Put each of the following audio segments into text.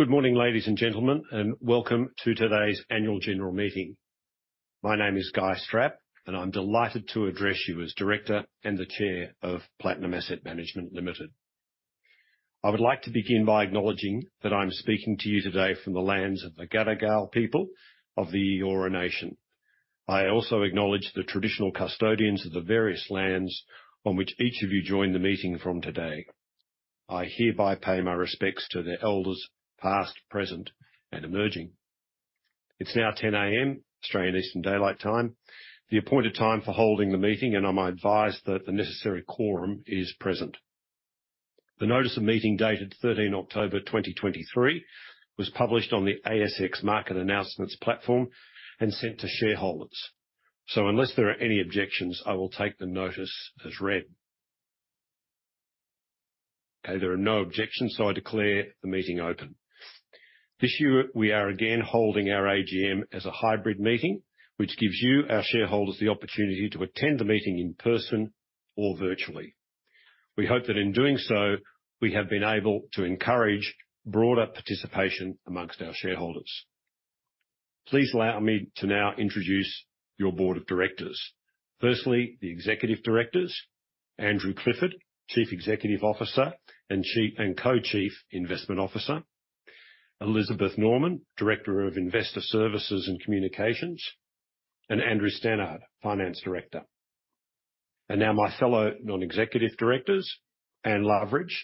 Good morning, ladies and gentlemen, and welcome to today's Annual General Meeting. My name is Guy Strapp, and I'm delighted to address you as Director and the Chair of Platinum Asset Management Limited. I would like to begin by acknowledging that I'm speaking to you today from the lands of the Gadigal people of the Eora Nation. I also acknowledge the traditional custodians of the various lands on which each of you joined the meeting from today. I hereby pay my respects to the elders, past, present, and emerging. It's now 10:00 A.M., Australian Eastern Daylight Time, the appointed time for holding the meeting, and I'm advised that the necessary quorum is present. The notice of meeting, dated 13 October 2023, was published on the ASX Market Announcements platform and sent to shareholders. So unless there are any objections, I will take the notice as read. Okay, there are no objections, so I declare the meeting open. This year, we are again holding our AGM as a hybrid meeting, which gives you, our shareholders, the opportunity to attend the meeting in person or virtually. We hope that in doing so, we have been able to encourage broader participation among our shareholders. Please allow me to now introduce your board of directors. Firstly, the executive directors, Andrew Clifford, Chief Executive Officer and Co-Chief Investment Officer. Elizabeth Norman, Director of Investor Services and Communications, and Andrew Stannard, Finance Director. And now my fellow non-executive directors, Anne Loveridge,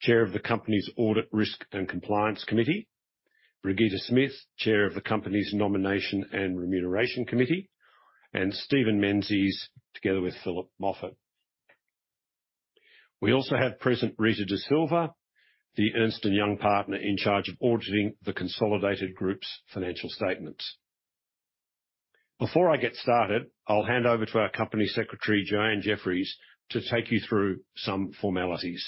Chair of the company's Audit, Risk, and Compliance Committee. Brigitte Smith, Chair of the company's Nomination and Remuneration Committee, and Stephen Menzies, together with Philip Moffitt. We also have present Rita Da Silva, the Ernst & Young partner in charge of auditing the consolidated group's financial statements. Before I get started, I'll hand over to our Company Secretary, Joanne Jefferies, to take you through some formalities.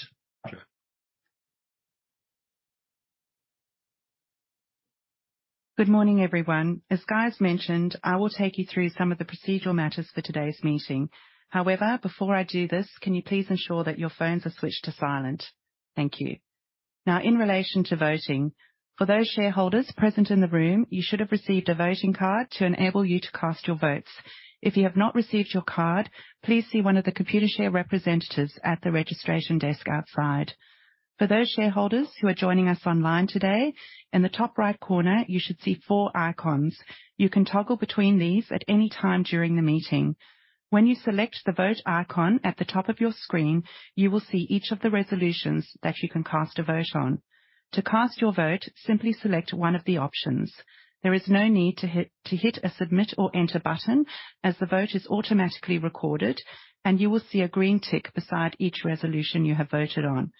Good morning, everyone. As Guy's mentioned, I will take you through some of the procedural matters for today's meeting. However, before I do this, can you please ensure that your phones are switched to silent? Thank you. Now, in relation to voting, for those shareholders present in the room, you should have received a voting card to enable you to cast your votes. If you have not received your card, please see one of the Computershare representatives at the registration desk outside. For those shareholders who are joining us online today, in the top right corner, you should see four icons. You can toggle between these at any time during the meeting. When you select the vote icon at the top of your screen, you will see each of the resolutions that you can cast a vote on. To cast your vote, simply select one of the options. There is no need to hit a Submit or Enter button, as the vote is automatically recorded, and you will see a green tick beside each resolution you have voted on.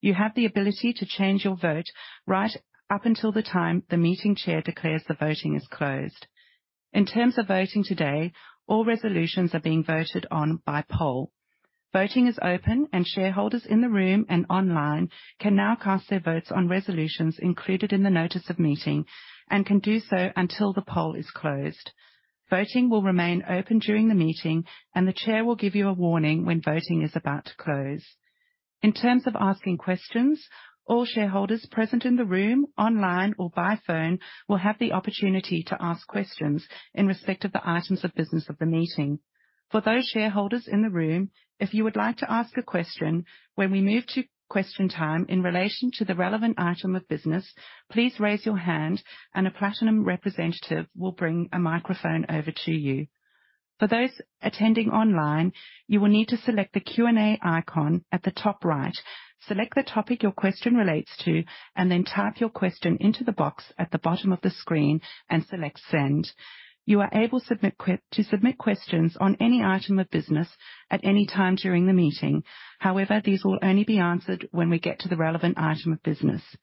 You have the ability to change your vote right up until the time the meeting chair declares the voting is closed. In terms of voting today, all resolutions are being voted on by poll. Voting is open, and shareholders in the room and online can now cast their votes on resolutions included in the notice of meeting and can do so until the poll is closed. Voting will remain open during the meeting, and the chair will give you a warning when voting is about to close. In terms of asking questions, all shareholders present in the room, online, or by phone will have the opportunity to ask questions in respect of the items of business of the meeting. For those shareholders in the room, if you would like to ask a question, when we move to question time in relation to the relevant item of business, please raise your hand and a Platinum representative will bring a microphone over to you. For those attending online, you will need to select the Q&A icon at the top right. Select the topic your question relates to, and then type your question into the box at the bottom of the screen and select Send. You are able to submit questions on any item of business at any time during the meeting. However, these will only be answered when we get to the relevant item of business.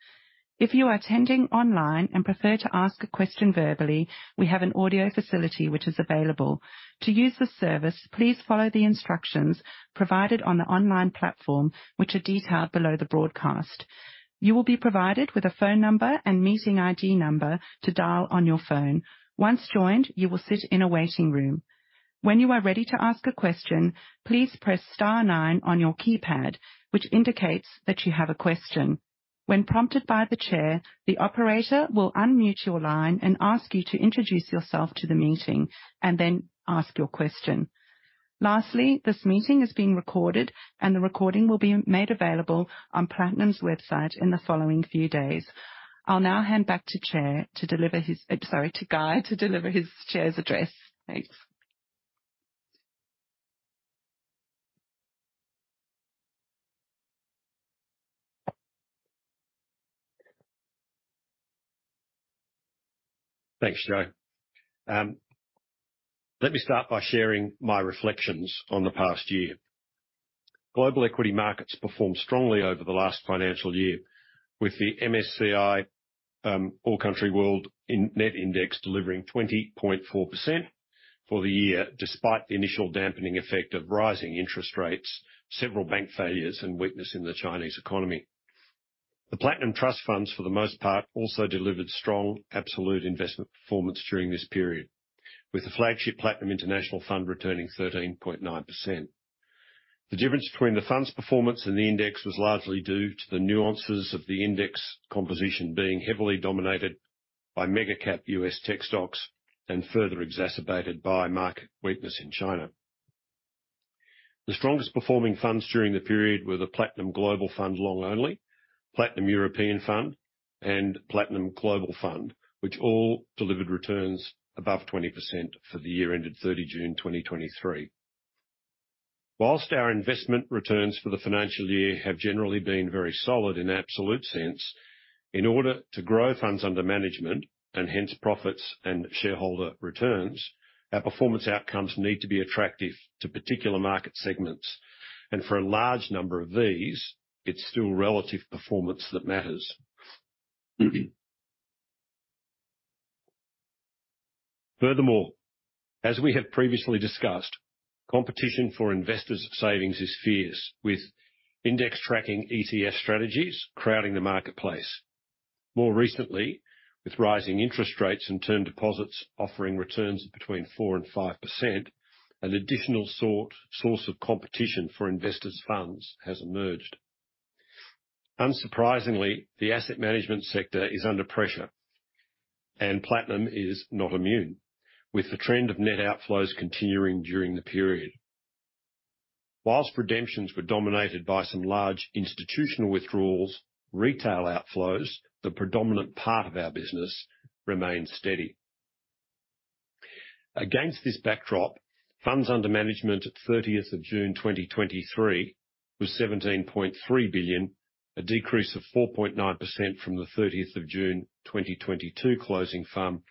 If you are attending online and prefer to ask a question verbally, we have an audio facility which is available. To use this service, please follow the instructions provided on the online platform, which are detailed below the broadcast. You will be provided with a phone number and meeting ID number to dial on your phone. Once joined, you will sit in a waiting room. When you are ready to ask a question, please press star nine on your keypad, which indicates that you have a question. When prompted by the chair, the operator will unmute your line and ask you to introduce yourself to the meeting and then ask your question. Lastly, this meeting is being recorded, and the recording will be made available on Platinum's website in the following few days. I'll now hand back to chair to deliver his... Sorry, to Guy, to deliver his chair's address. Thanks. Thanks, Jo. Let me start by sharing my reflections on the past year. Global equity markets performed strongly over the last financial year, with the MSCI All Country World Net Index delivering 20.4% for the year, despite the initial dampening effect of rising interest rates, several bank failures, and weakness in the Chinese economy. The Platinum Trust Funds, for the most part, also delivered strong, absolute investment performance during this period, with the flagship Platinum International Fund returning 13.9%....The difference between the fund's performance and the index was largely due to the nuances of the index composition being heavily dominated by mega cap U.S. tech stocks, and further exacerbated by market weakness in China. The strongest performing funds during the period were the Platinum Global Fund Long Only, Platinum European Fund, and Platinum Global Fund, which all delivered returns above 20% for the year ended 30 June 2023. While our investment returns for the financial year have generally been very solid in absolute sense, in order to grow funds under management, and hence profits and shareholder returns, our performance outcomes need to be attractive to particular market segments, and for a large number of these, it's still relative performance that matters. Furthermore, as we have previously discussed, competition for investors' savings is fierce, with index tracking ETF strategies crowding the marketplace. More recently, with rising interest rates and term deposits offering returns between 4% and 5%, an additional source of competition for investors' funds has emerged. Unsurprisingly, the asset management sector is under pressure, and Platinum is not immune, with the trend of net outflows continuing during the period. While redemptions were dominated by some large institutional withdrawals, retail outflows, the predominant part of our business, remained steady. Against this backdrop, funds under management at 30th of June 2023 was 17.3 billion, a decrease of 4.9% from the 30th of June 2022, closing FUM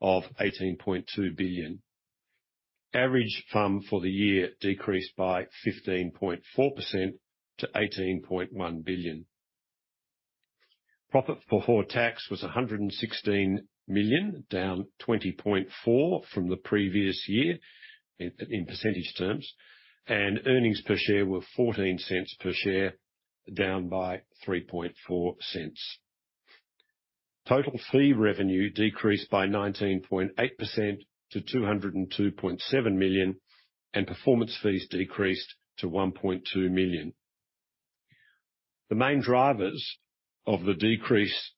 of 18.2 billion. Average FUM for the year decreased by 15.4% to 18.1 billion. Profit before tax was 116 million, down 20.4% from the previous year in percentage terms, and earnings per share were 0.14 per share, down by 0.034. Total fee revenue decreased by 19.8% to 202.7 million, and performance fees decreased to 1.2 million. The main drivers of the decrease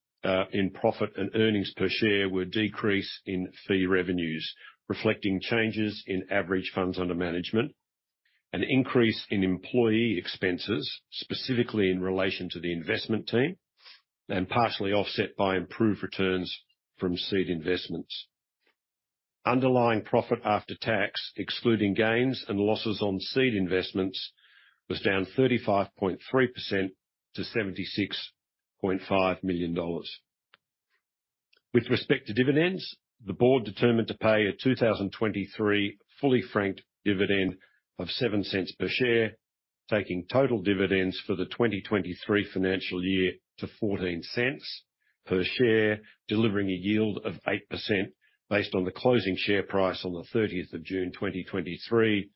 in profit and earnings per share were a decrease in fee revenues, reflecting changes in average funds under management, an increase in employee expenses, specifically in relation to the investment team, and partially offset by improved returns from seed investments. Underlying profit after tax, excluding gains and losses on seed investments, was down 35.3% to 76.5 million dollars. With respect to dividends, the board determined to pay a 2023 fully franked dividend of 0.07 per share, taking total dividends for the 2023 financial year to 0.14 per share, delivering a yield of 8% based on the closing share price on the 30th of June 2023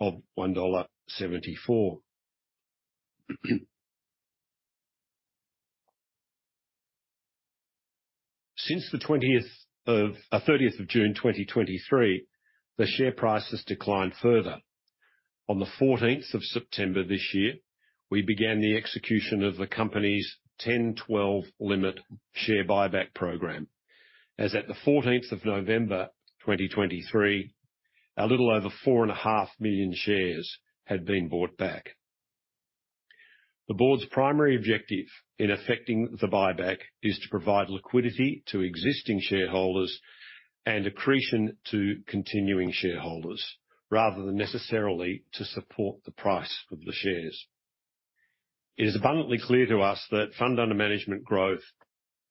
of AUD 1.74. Since the 30th of June 2023, the share price has declined further. On the 14th of September this year, we began the execution of the company's 10/12 limit share buyback program. As at the 14th of November 2023, a little over 4.5 million shares had been bought back. The board's primary objective in effecting the buyback is to provide liquidity to existing shareholders and accretion to continuing shareholders, rather than necessarily to support the price of the shares. It is abundantly clear to us that fund under management growth,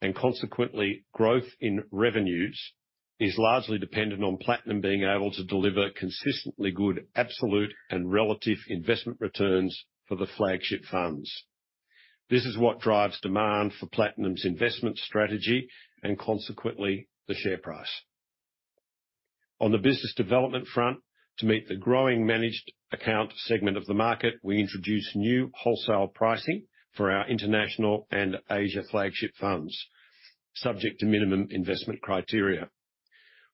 and consequently growth in revenues, is largely dependent on Platinum being able to deliver consistently good, absolute, and relative investment returns for the flagship funds. This is what drives demand for Platinum's investment strategy and consequently, the share price. On the business development front, to meet the growing managed account segment of the market, we introduced new wholesale pricing for our international and Asia flagship funds, subject to minimum investment criteria.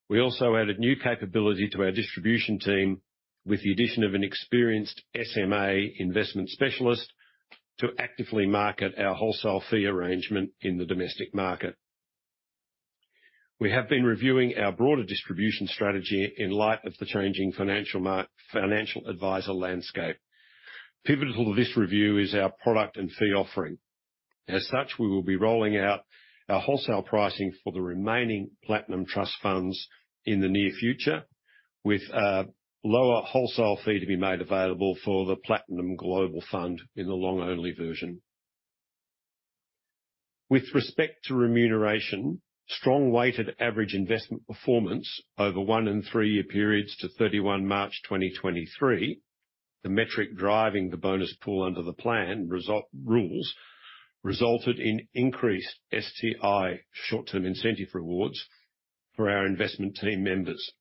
We also added new capability to our distribution team with the addition of an experienced SMA investment specialist to actively market our wholesale fee arrangement in the domestic market. We have been reviewing our broader distribution strategy in light of the changing financial advisor landscape. Pivotal to this review is our product and fee offering. As such, we will be rolling out our wholesale pricing for the remaining Platinum Trust Funds in the near future, with a lower wholesale fee to be made available for the Platinum Global Fund in the long-only version. With respect to remuneration, strong weighted average investment performance over one- and three-year periods to 31 March 2023, the metric driving the bonus pool under the plan result rules, resulted in increased STI short-term incentive rewards for our investment team members.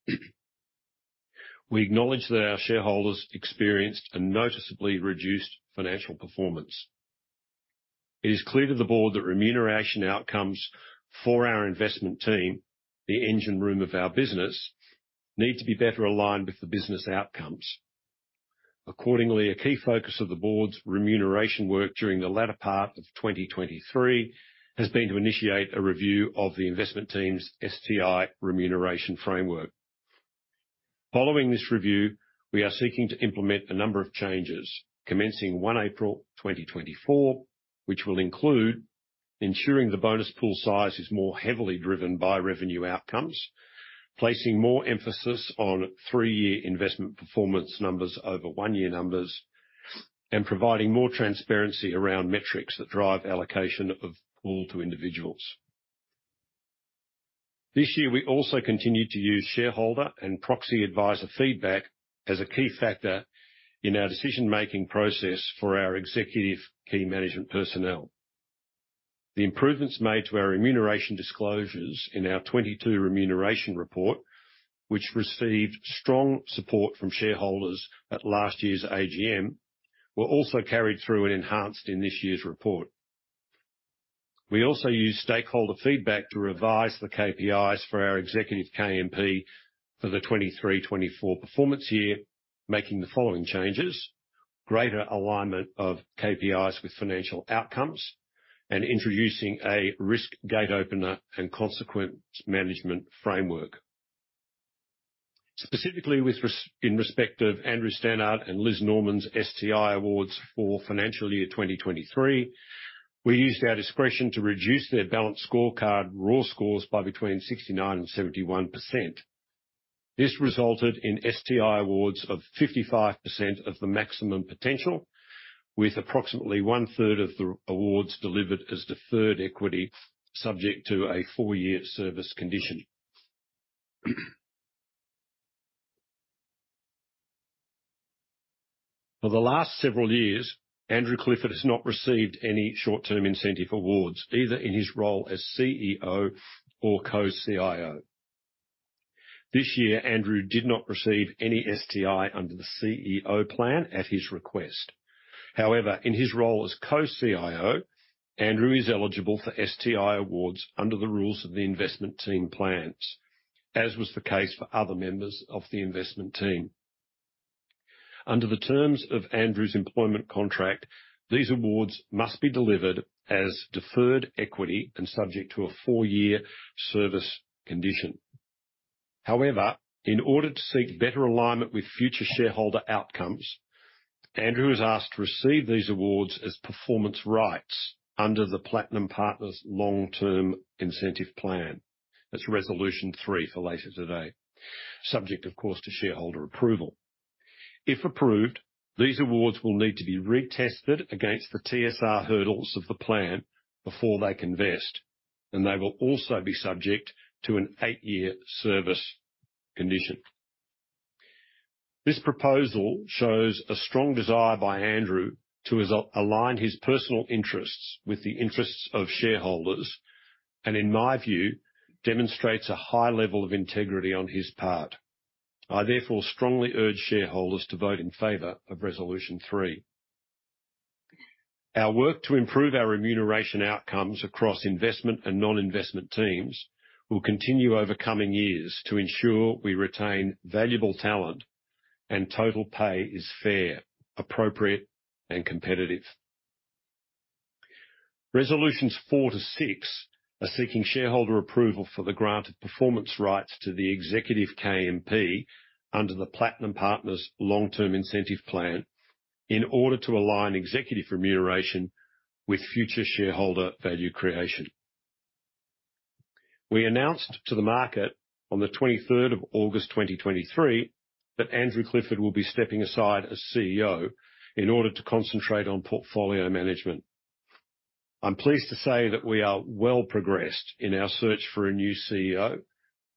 We acknowledge that our shareholders experienced a noticeably reduced financial performance.... It is clear to the board that remuneration outcomes for our investment team, the engine room of our business, need to be better aligned with the business outcomes. Accordingly, a key focus of the board's remuneration work during the latter part of 2023 has been to initiate a review of the investment team's STI remuneration framework. Following this review, we are seeking to implement a number of changes, commencing 1 April 2024, which will include ensuring the bonus pool size is more heavily driven by revenue outcomes, placing more emphasis on three-year investment performance numbers over one-year numbers, and providing more transparency around metrics that drive allocation of pool to individuals. This year, we also continued to use shareholder and proxy advisor feedback as a key factor in our decision-making process for our executive key management personnel. The improvements made to our remuneration disclosures in our 2022 remuneration report, which received strong support from shareholders at last year's AGM, were also carried through and enhanced in this year's report. We also used stakeholder feedback to revise the KPIs for our executive KMP for the 2023-2024 performance year, making the following changes: greater alignment of KPIs with financial outcomes and introducing a risk gate opener and consequence management framework. Specifically, in respect of Andrew Stannard and Liz Norman's STI awards for financial year 2023, we used our discretion to reduce their balanced scorecard raw scores by between 69% and 71%. This resulted in STI awards of 55% of the maximum potential, with approximately 1/3 of the awards delivered as deferred equity, subject to a four-year service condition. For the last several years, Andrew Clifford has not received any short-term incentive awards, either in his role as CEO or co-CIO. This year, Andrew did not receive any STI under the CEO plan at his request. However, in his role as co-CIO, Andrew is eligible for STI awards under the rules of the investment team plans, as was the case for other members of the investment team. Under the terms of Andrew's employment contract, these awards must be delivered as deferred equity and subject to a four-year service condition. However, in order to seek better alignment with future shareholder outcomes, Andrew has asked to receive these awards as performance rights under the Platinum Partners Long- Term Incentive Plan. That's resolution three for later today, subject, of course, to shareholder approval. If approved, these awards will need to be retested against the TSR hurdles of the plan before they can vest, and they will also be subject to an eight-year service condition. This proposal shows a strong desire by Andrew to align his personal interests with the interests of shareholders, and in my view, demonstrates a high level of integrity on his part. I therefore strongly urge shareholders to vote in favor of resolution three. Our work to improve our remuneration outcomes across investment and non-investment teams will continue over coming years to ensure we retain valuable talent and total pay is fair, appropriate, and competitive. Resolutions 4-6 are seeking shareholder approval for the granted performance rights to the Executive KMP under the Platinum Partners Long-Term Incentive Plan, in order to align executive remuneration with future shareholder value creation. We announced to the market on the 23rd of August 2023, that Andrew Clifford will be stepping aside as CEO in order to concentrate on portfolio management. I'm pleased to say that we are well progressed in our search for a new CEO,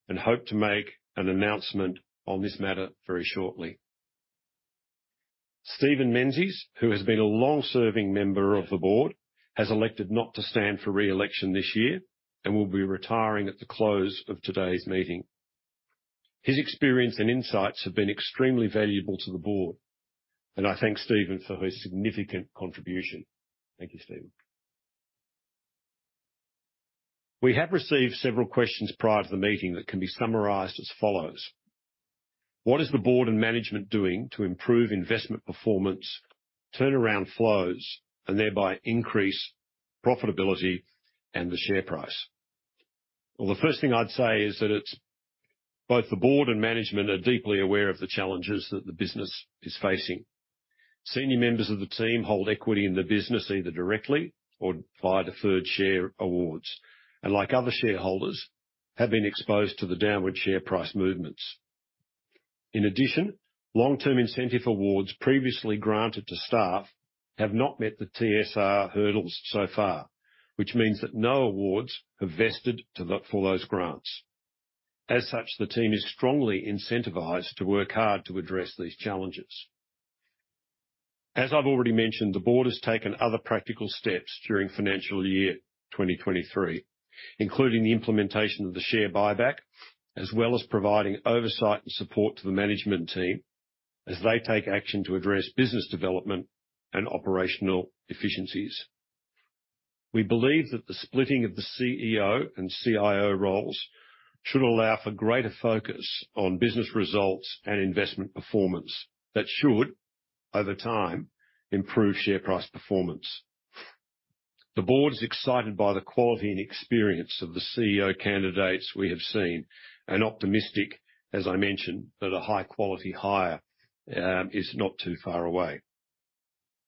and hope to make an announcement on this matter very shortly. Stephen Menzies, who has been a long-serving member of the board, has elected not to stand for re-election this year and will be retiring at the close of today's meeting. His experience and insights have been extremely valuable to the board, and I thank Stephen for his significant contribution. Thank you, Stephen. We have received several questions prior to the meeting that can be summarized as follows: What is the board and management doing to improve investment performance, turnaround flows, and thereby increase profitability and the share price? Well, the first thing I'd say is that it's both the board and management are deeply aware of the challenges that the business is facing. Senior members of the team hold equity in the business, either directly or via deferred share awards, and like other shareholders, have been exposed to the downward share price movements. In addition, long-term incentive awards previously granted to staff have not met the TSR hurdles so far, which means that no awards have vested for those grants. As such, the team is strongly incentivized to work hard to address these challenges. As I've already mentioned, the board has taken other practical steps during financial year 2023, including the implementation of the share buyback, as well as providing oversight and support to the management team as they take action to address business development and operational efficiencies. We believe that the splitting of the CEO and CIO roles should allow for greater focus on business results and investment performance that should, over time, improve share price performance. The board is excited by the quality and experience of the CEO candidates we have seen, and optimistic, as I mentioned, that a high-quality hire is not too far away.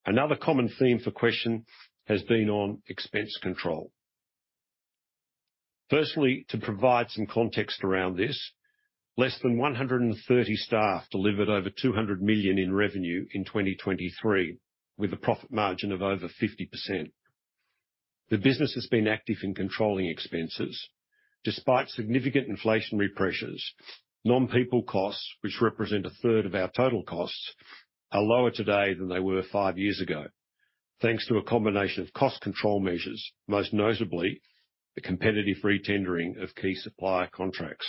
Another common theme for question has been on expense control. Firstly, to provide some context around this, less than 130 staff delivered over 200 million in revenue in 2023, with a profit margin of over 50%. The business has been active in controlling expenses. Despite significant inflationary pressures, non-people costs, which represent 1/3 of our total costs, are lower today than they were five years ago, thanks to a combination of cost control measures, most notably the competitive retendering of key supplier contracts.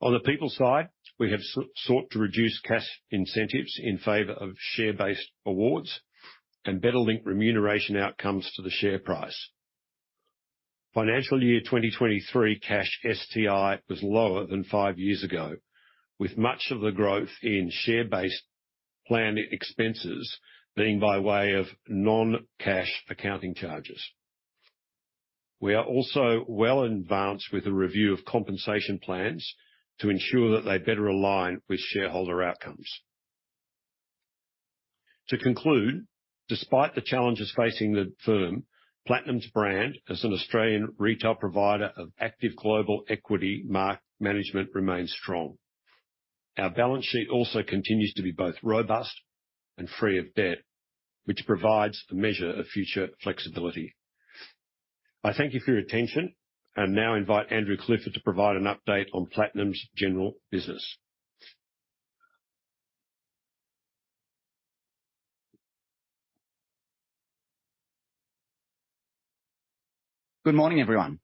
On the people side, we have sought to reduce cash incentives in favor of share-based awards and better link remuneration outcomes to the share price. Financial year 2023 cash STI was lower than five years ago, with much of the growth in share-based plan expenses being by way of non-cash accounting charges. We are also well advanced with a review of compensation plans to ensure that they better align with shareholder outcomes. To conclude, despite the challenges facing the firm, Platinum's brand as an Australian retail provider of active global equity market management remains strong. Our balance sheet also continues to be both robust and free of debt, which provides a measure of future flexibility. I thank you for your attention and now invite Andrew Clifford to provide an update on Platinum's general business. Good morning, everyone.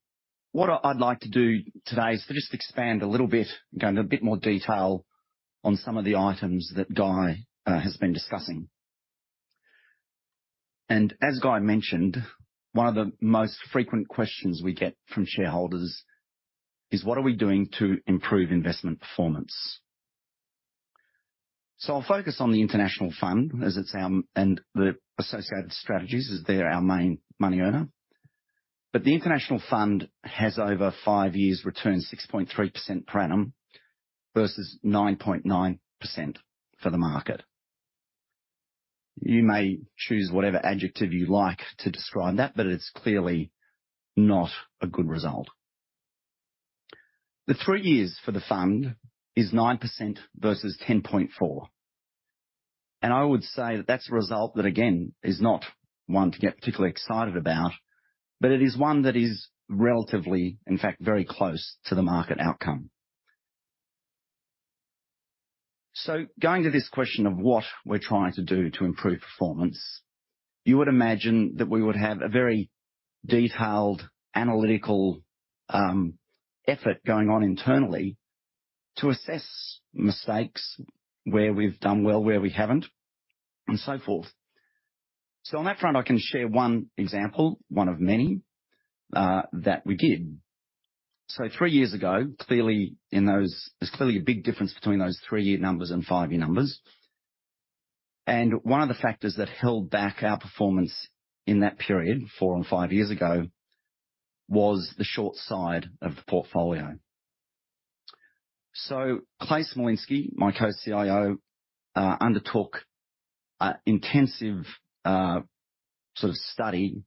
What I'd like to do today is to just expand a little bit, go into a bit more detail on some of the items that Guy has been discussing. And as Guy mentioned, one of the most frequent questions we get from shareholders is: What are we doing to improve investment performance? So I'll focus on the International Fund as it's our-- and the associated strategies, as they're our main money earner. But the International Fund has over five years, returned 6.3% per annum versus 9.9% for the market. You may choose whatever adjective you like to describe that, but it's clearly not a good result. The three years for the fund is 9% versus 10.4%, and I would say that that's a result that, again, is not one to get particularly excited about, but it is one that is relatively, in fact, very close to the market outcome. So going to this question of what we're trying to do to improve performance, you would imagine that we would have a very detailed analytical effort going on internally to assess mistakes, where we've done well, where we haven't, and so forth. So on that front, I can share one example, one of many, that we did. So three years ago, clearly in those... There's clearly a big difference between those three-year numbers and five-year numbers, and one of the factors that held back our performance in that period, 4 and 5 years ago, was the short side of the portfolio. So Clay Smolinski, my Co-CIO, undertook an intensive, sort of study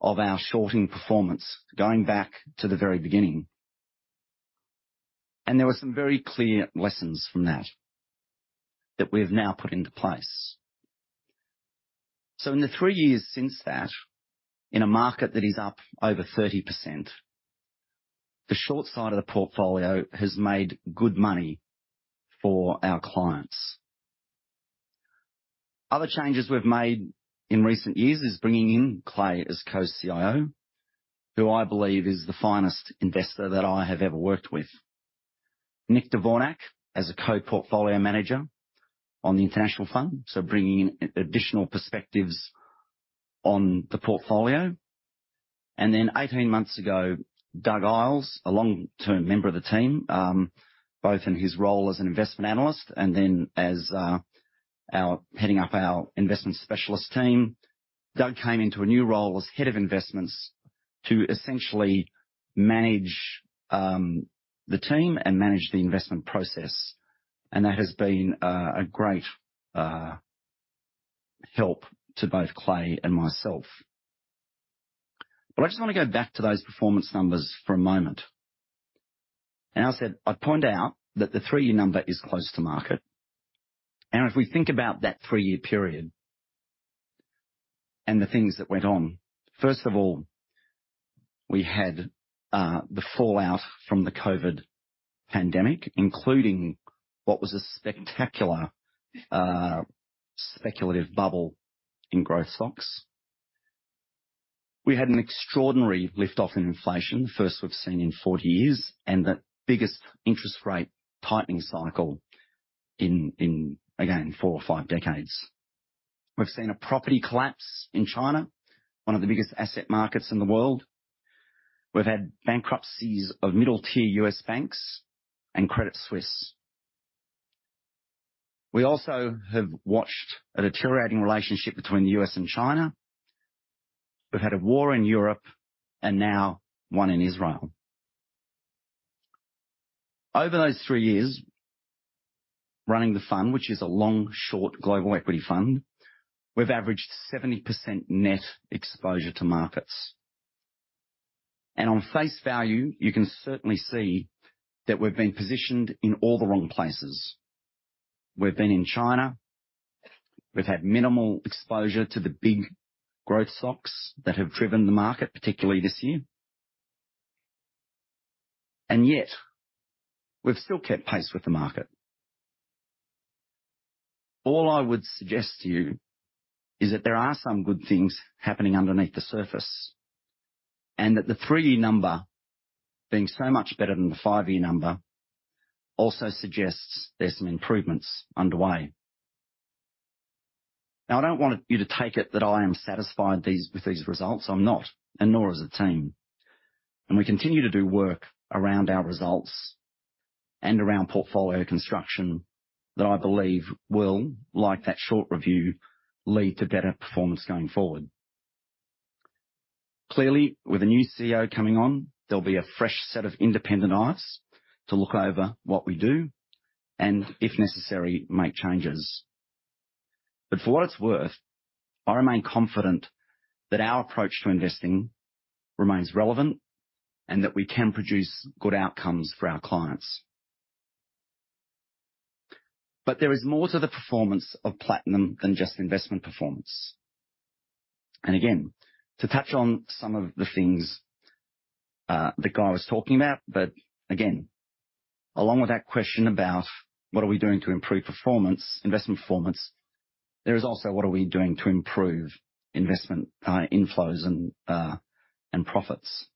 of our shorting performance going back to the very beginning. And there were some very clear lessons from that, that we've now put into place. So in the three years since that, in a market that is up over 30%, the short side of the portfolio has made good money for our clients. Other changes we've made in recent years is bringing in Clay as co-CIO, who I believe is the finest investor that I have ever worked with. Nik Dvornak, as a Co-Portfolio Manager on the International Fund, so bringing in additional perspectives on the portfolio. And then 18 months ago, Doug Isles, a long-term member of the team, both in his role as an Investment Analyst and then as, our, heading up our Investment Specialist team. Doug came into a new role as Head of Investments to essentially manage, the team and manage the investment process. That has been a great help to both Clay and myself. But I just want to go back to those performance numbers for a moment. And I said, I point out that the three-year number is close to market. And if we think about that three-year period and the things that went on, first of all, we had the fallout from the COVID pandemic, including what was a spectacular speculative bubble in growth stocks... We had an extraordinary lift off in inflation, the first we've seen in 40 years, and the biggest interest rate tightening cycle in, again, four or five decades. We've seen a property collapse in China, one of the biggest asset markets in the world. We've had bankruptcies of middle-tier U.S. banks and Credit Suisse. We also have watched a deteriorating relationship between the U.S. and China. We've had a war in Europe and now one in Israel. Over those three years, running the fund, which is a long, short global equity fund, we've averaged 70% net exposure to markets. And on face value, you can certainly see that we've been positioned in all the wrong places. We've been in China, we've had minimal exposure to the big growth stocks that have driven the market, particularly this year. And yet we've still kept pace with the market. All I would suggest to you is that there are some good things happening underneath the surface, and that the three-year number being so much better than the five-year number also suggests there's some improvements underway. Now, I don't want you to take it that I am satisfied with these results. I'm not, and nor is the team. And we continue to do work around our results and around portfolio construction that I believe will, like that short review, lead to better performance going forward. Clearly, with a new CEO coming on, there'll be a fresh set of independent eyes to look over what we do and, if necessary, make changes. But for what it's worth, I remain confident that our approach to investing remains relevant and that we can produce good outcomes for our clients. But there is more to the performance of Platinum than just investment performance. And again, to touch on some of the things that Guy was talking about, but again, along with that question about what are we doing to improve performance, investment performance, there is also what are we doing to improve investment inflows and profits?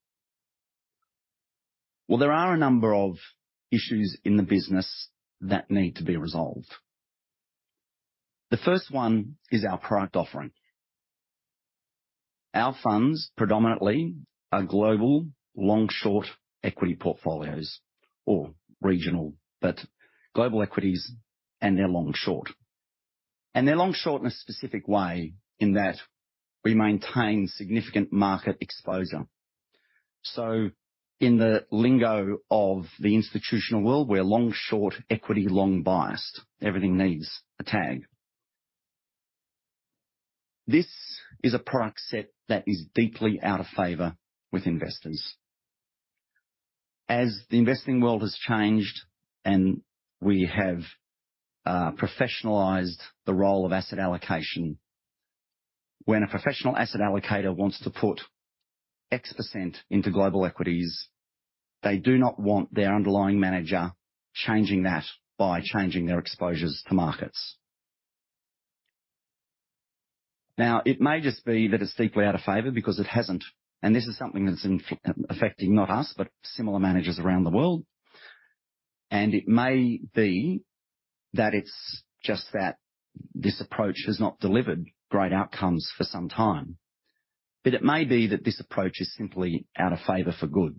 Well, there are a number of issues in the business that need to be resolved. The first one is our product offering. Our funds predominantly are global, long-short equity portfolios or regional, but global equities, and they're long-short. And they're long-short in a specific way in that we maintain significant market exposure. So in the lingo of the institutional world, we're long, short equity, long biased. Everything needs a tag. This is a product set that is deeply out of favor with investors. As the investing world has changed and we have professionalized the role of asset allocation, when a professional asset allocator wants to put X percent into global equities, they do not want their underlying manager changing that by changing their exposures to markets. Now, it may just be that it's deeply out of favor because it hasn't. And this is something that's affecting not us, but similar managers around the world. And it may be that it's just that this approach has not delivered great outcomes for some time, but it may be that this approach is simply out of favor for good.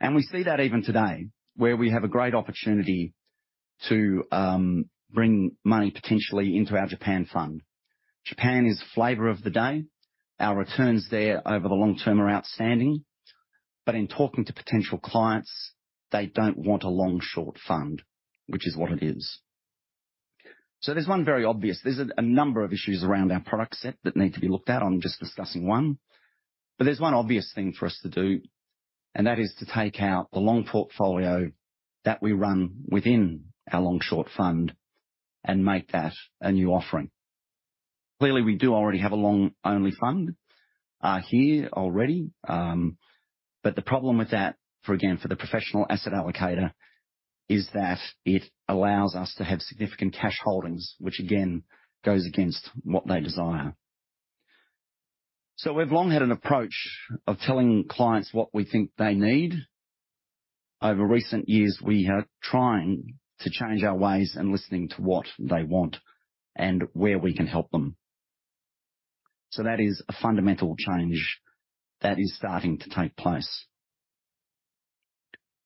And we see that even today, where we have a great opportunity to bring money potentially into our Japan Fund. Japan is flavor of the day. Our returns there over the long term are outstanding, but in talking to potential clients, they don't want a long-short fund, which is what it is. So there's one very obvious... There's a number of issues around our product set that need to be looked at. I'm just discussing one, but there's one obvious thing for us to do, and that is to take out the long portfolio that we run within our long-short fund and make that a new offering. Clearly, we do already have a long-only fund here already. But the problem with that, again, for the professional asset allocator, is that it allows us to have significant cash holdings, which again, goes against what they desire. So we've long had an approach of telling clients what we think they need. Over recent years, we are trying to change our ways and listening to what they want and where we can help them. So that is a fundamental change that is starting to take place.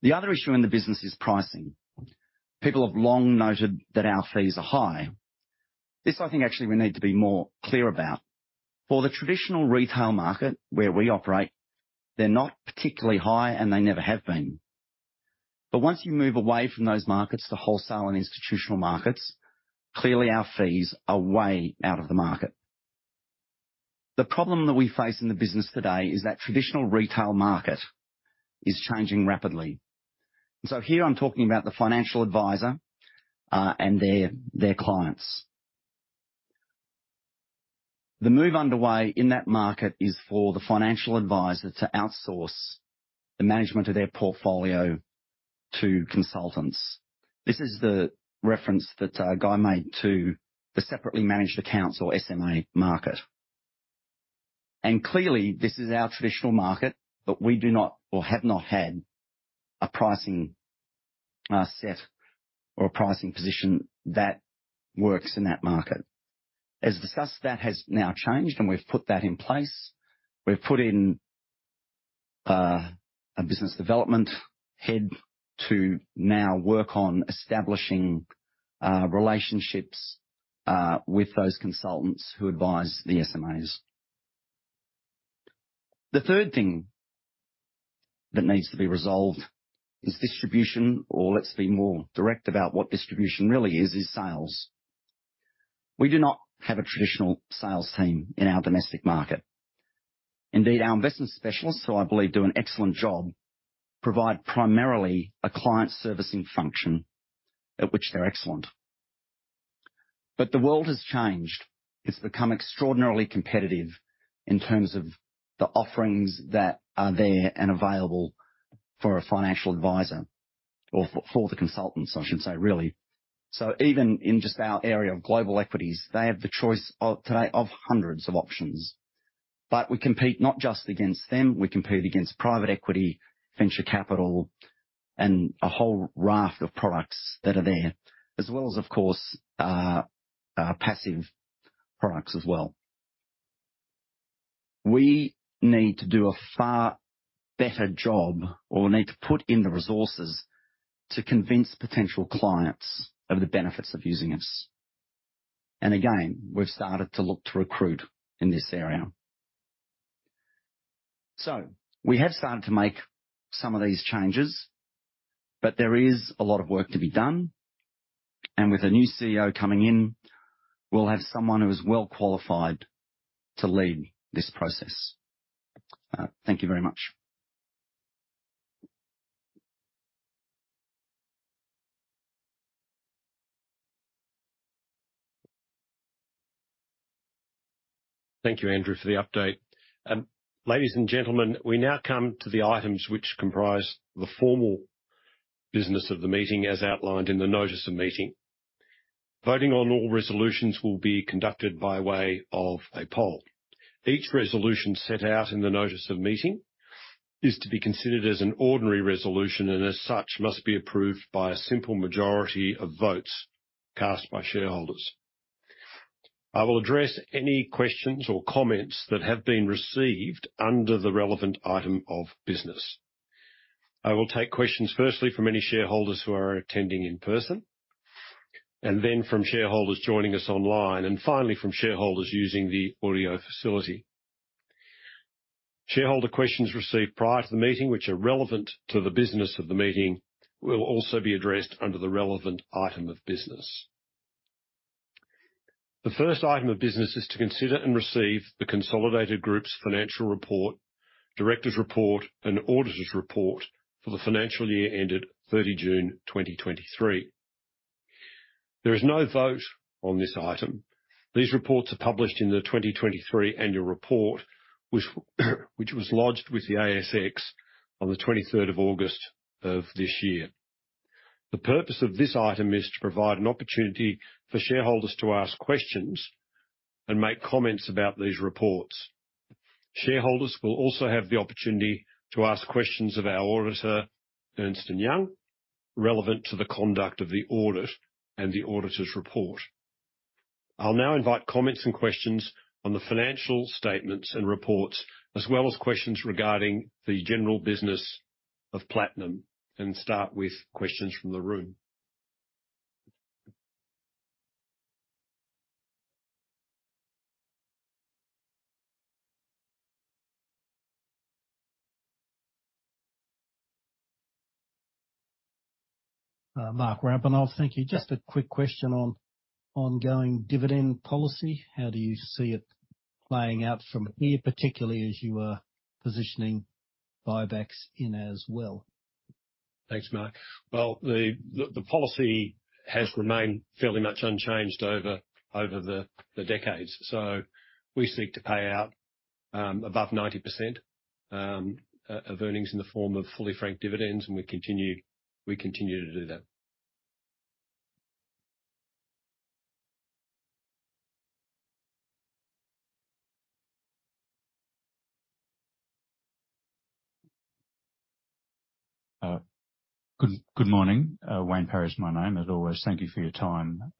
The other issue in the business is pricing. People have long noted that our fees are high. This, I think, actually we need to be more clear about. For the traditional retail market where we operate, they're not particularly high, and they never have been. But once you move away from those markets to wholesale and institutional markets, clearly our fees are way out of the market. The problem that we face in the business today is that traditional retail market is changing rapidly. So here I'm talking about the financial advisor and their clients. The move underway in that market is for the financial advisor to outsource the management of their portfolio to consultants. This is the reference that, Guy made to the separately managed accounts or SMA market. And clearly, this is our traditional market, but we do not or have not had a pricing, set or a pricing position that works in that market. As discussed, that has now changed, and we've put that in place. We've put in, a business development head to now work on establishing, relationships, with those consultants who advise the SMAs. The third thing that needs to be resolved is distribution, or let's be more direct about what distribution really is, is sales. We do not have a traditional sales team in our domestic market. Indeed, our investment specialists, who I believe do an excellent job, provide primarily a client servicing function at which they're excellent. But the world has changed. It's become extraordinarily competitive in terms of the offerings that are there and available for a financial advisor or for the consultants, I should say, really. So even in just our area of global equities, they have the choice of, today, of hundreds of options. But we compete not just against them, we compete against private equity, venture capital, and a whole raft of products that are there, as well as, of course, passive products as well. We need to do a far better job or need to put in the resources to convince potential clients of the benefits of using us. And again, we've started to look to recruit in this area. So we have started to make some of these changes, but there is a lot of work to be done, and with a new CEO coming in, we'll have someone who is well qualified to lead this process. Thank you very much. Thank you, Andrew, for the update. Ladies and gentlemen, we now come to the items which comprise the formal business of the meeting, as outlined in the notice of meeting. Voting on all resolutions will be conducted by way of a poll. Each resolution set out in the notice of meeting is to be considered as an ordinary resolution, and as such, must be approved by a simple majority of votes cast by shareholders. I will address any questions or comments that have been received under the relevant item of business. I will take questions firstly from any shareholders who are attending in person, and then from shareholders joining us online, and finally from shareholders using the audio facility. Shareholder questions received prior to the meeting, which are relevant to the business of the meeting, will also be addressed under the relevant item of business. The first item of business is to consider and receive the consolidated group's financial report, directors' report, and auditors' report for the financial year ended 30 June 2023. There is no vote on this item. These reports are published in the 2023 annual report, which was lodged with the ASX on the 23rd of August of this year. The purpose of this item is to provide an opportunity for shareholders to ask questions and make comments about these reports. Shareholders will also have the opportunity to ask questions of our auditor, Ernst & Young, relevant to the conduct of the audit and the auditor's report. I'll now invite comments and questions on the financial statements and reports, as well as questions regarding the general business of Platinum, and start with questions from the room. Mark Rampina. Thank you. Just a quick question on ongoing dividend policy. How do you see it playing out from here, particularly as you are positioning buybacks in as well? Thanks, Mark. Well, the policy has remained fairly much unchanged over the decades. So we seek to pay out above 90% of earnings in the form of fully franked dividends, and we continue to do that. Good morning. Wayne Parris, my name. As always, thank you for your time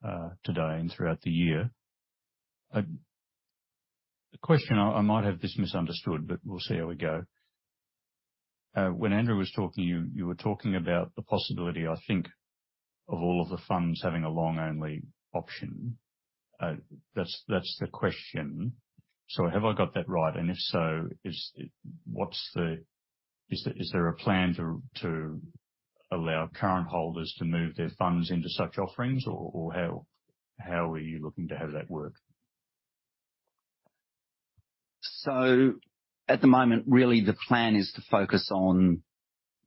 today and throughout the year. The question, I might have this misunderstood, but we'll see how we go. When Andrew was talking, you were talking about the possibility, I think, of all of the funds having a long-only option. That's the question. So have I got that right? And if so, is it... What's the- Is there a plan to allow current holders to move their funds into such offerings, or how are you looking to have that work? So at the moment, really, the plan is to focus on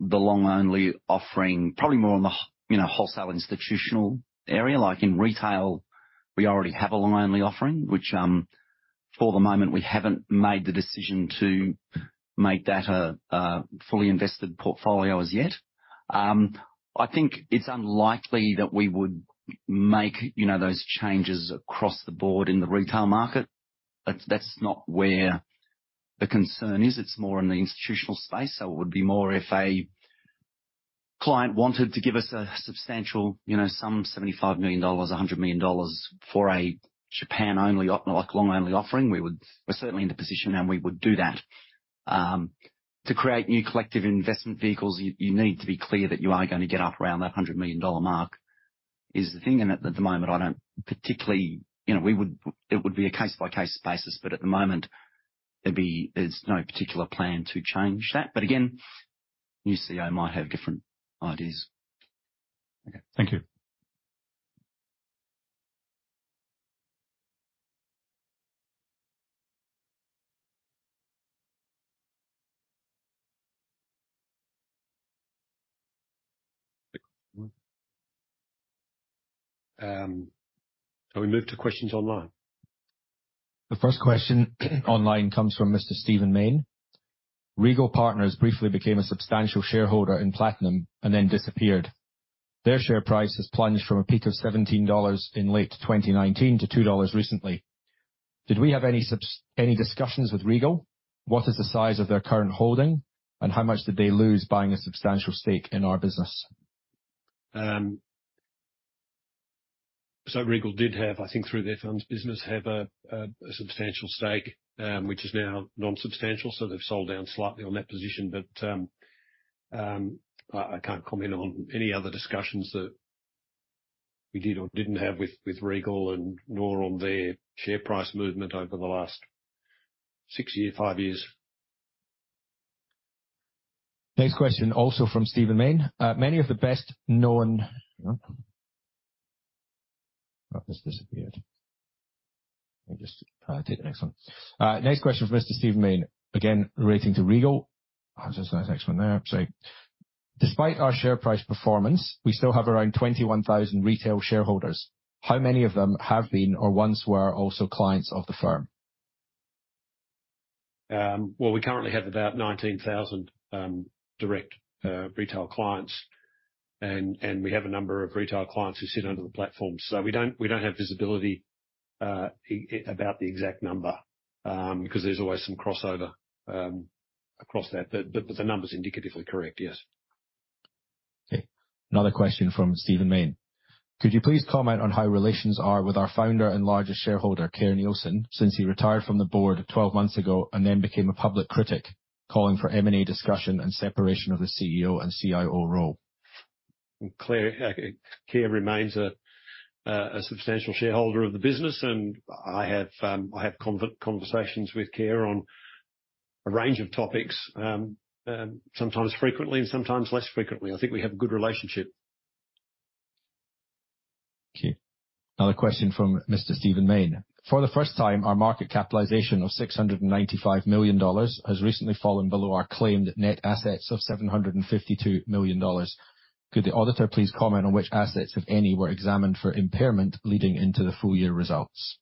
the long-only offering, probably more on the you know, wholesale institutional area. Like, in retail We already have a long-only offering, which, for the moment, we haven't made the decision to make that a fully invested portfolio as yet. I think it's unlikely that we would make, you know, those changes across the board in the retail market. That's, that's not where the concern is. It's more in the institutional space. So it would be more if a client wanted to give us a substantial, you know, some 75 million dollars, 100 million dollars for a Japan-only op, like a long-only offering, we would We're certainly in the position, and we would do that. To create new collective investment vehicles, you need to be clear that you are gonna get up around that 100 million dollar mark is the thing, and at the moment, I don't particularly, you know, we would, it would be a case-by-case basis, but at the moment, there's no particular plan to change that. But again, new CEO might have different ideas. Okay. Thank you. Can we move to questions online? The first question online comes from Mr. Stephen Mayne. Regal Partners briefly became a substantial shareholder in Platinum and then disappeared. Their share price has plunged from a peak of 17 dollars in late 2019 to 2 dollars recently. Did we have any discussions with Regal? What is the size of their current holding, and how much did they lose buying a substantial stake in our business? So Regal did have, I think, through their firm's business, a substantial stake, which is now non-substantial, so they've sold down slightly on that position. But, I can't comment on any other discussions that we did or didn't have with Regal and nor on their share price movement over the last six years, five years. Next question, also from Stephen Mayne. Many of the best-known... Hang on. That just disappeared. Let me just take the next one. Next question from Mr. Stephen Mayne. Again, relating to Regal. I'll just take the next one there, sorry. Despite our share price performance, we still have around 21,000 retail shareholders. How many of them have been or once were also clients of the firm? Well, we currently have about 19,000 direct retail clients, and we have a number of retail clients who sit under the platform. So we don't have visibility about the exact number because there's always some crossover across that. But the number's indicatively correct, yes. Okay. Another question from Stephen Mayne: Could you please comment on how relations are with our founder and largest shareholder, Kerr Neilson, since he retired from the board 12 months ago and then became a public critic, calling for M&A discussion and separation of the CEO and CIO role? Kerr remains a substantial shareholder of the business, and I have conversations with Kerr on a range of topics, sometimes frequently and sometimes less frequently. I think we have a good relationship. Okay. Another question from Mr. Stephen Mayne. For the first time, our market capitalization of 695 million dollars has recently fallen below our claimed net assets of 752 million dollars. Could the auditor please comment on which assets, if any, were examined for impairment leading into the full year results?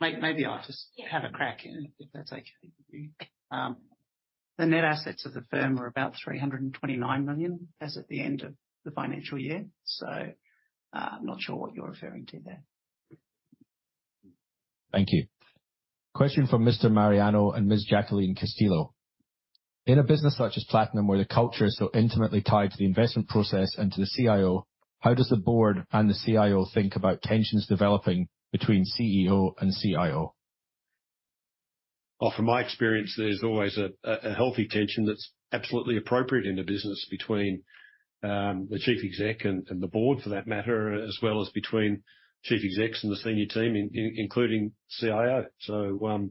Maybe I'll just- Yeah. -have a crack at it, if that's okay with you. The net assets of the firm are about 329 million, as at the end of the financial year. So, I'm not sure what you're referring to there. Thank you. Question from Mr. Mariano and Ms. Jacqueline Casillo. In a business such as Platinum, where the culture is so intimately tied to the investment process and to the CIO, how does the board and the CIO think about tensions developing between CEO and CIO? Well, from my experience, there's always a healthy tension that's absolutely appropriate in the business between the chief exec and the board, for that matter, as well as between chief execs and the senior team, including CIO. So,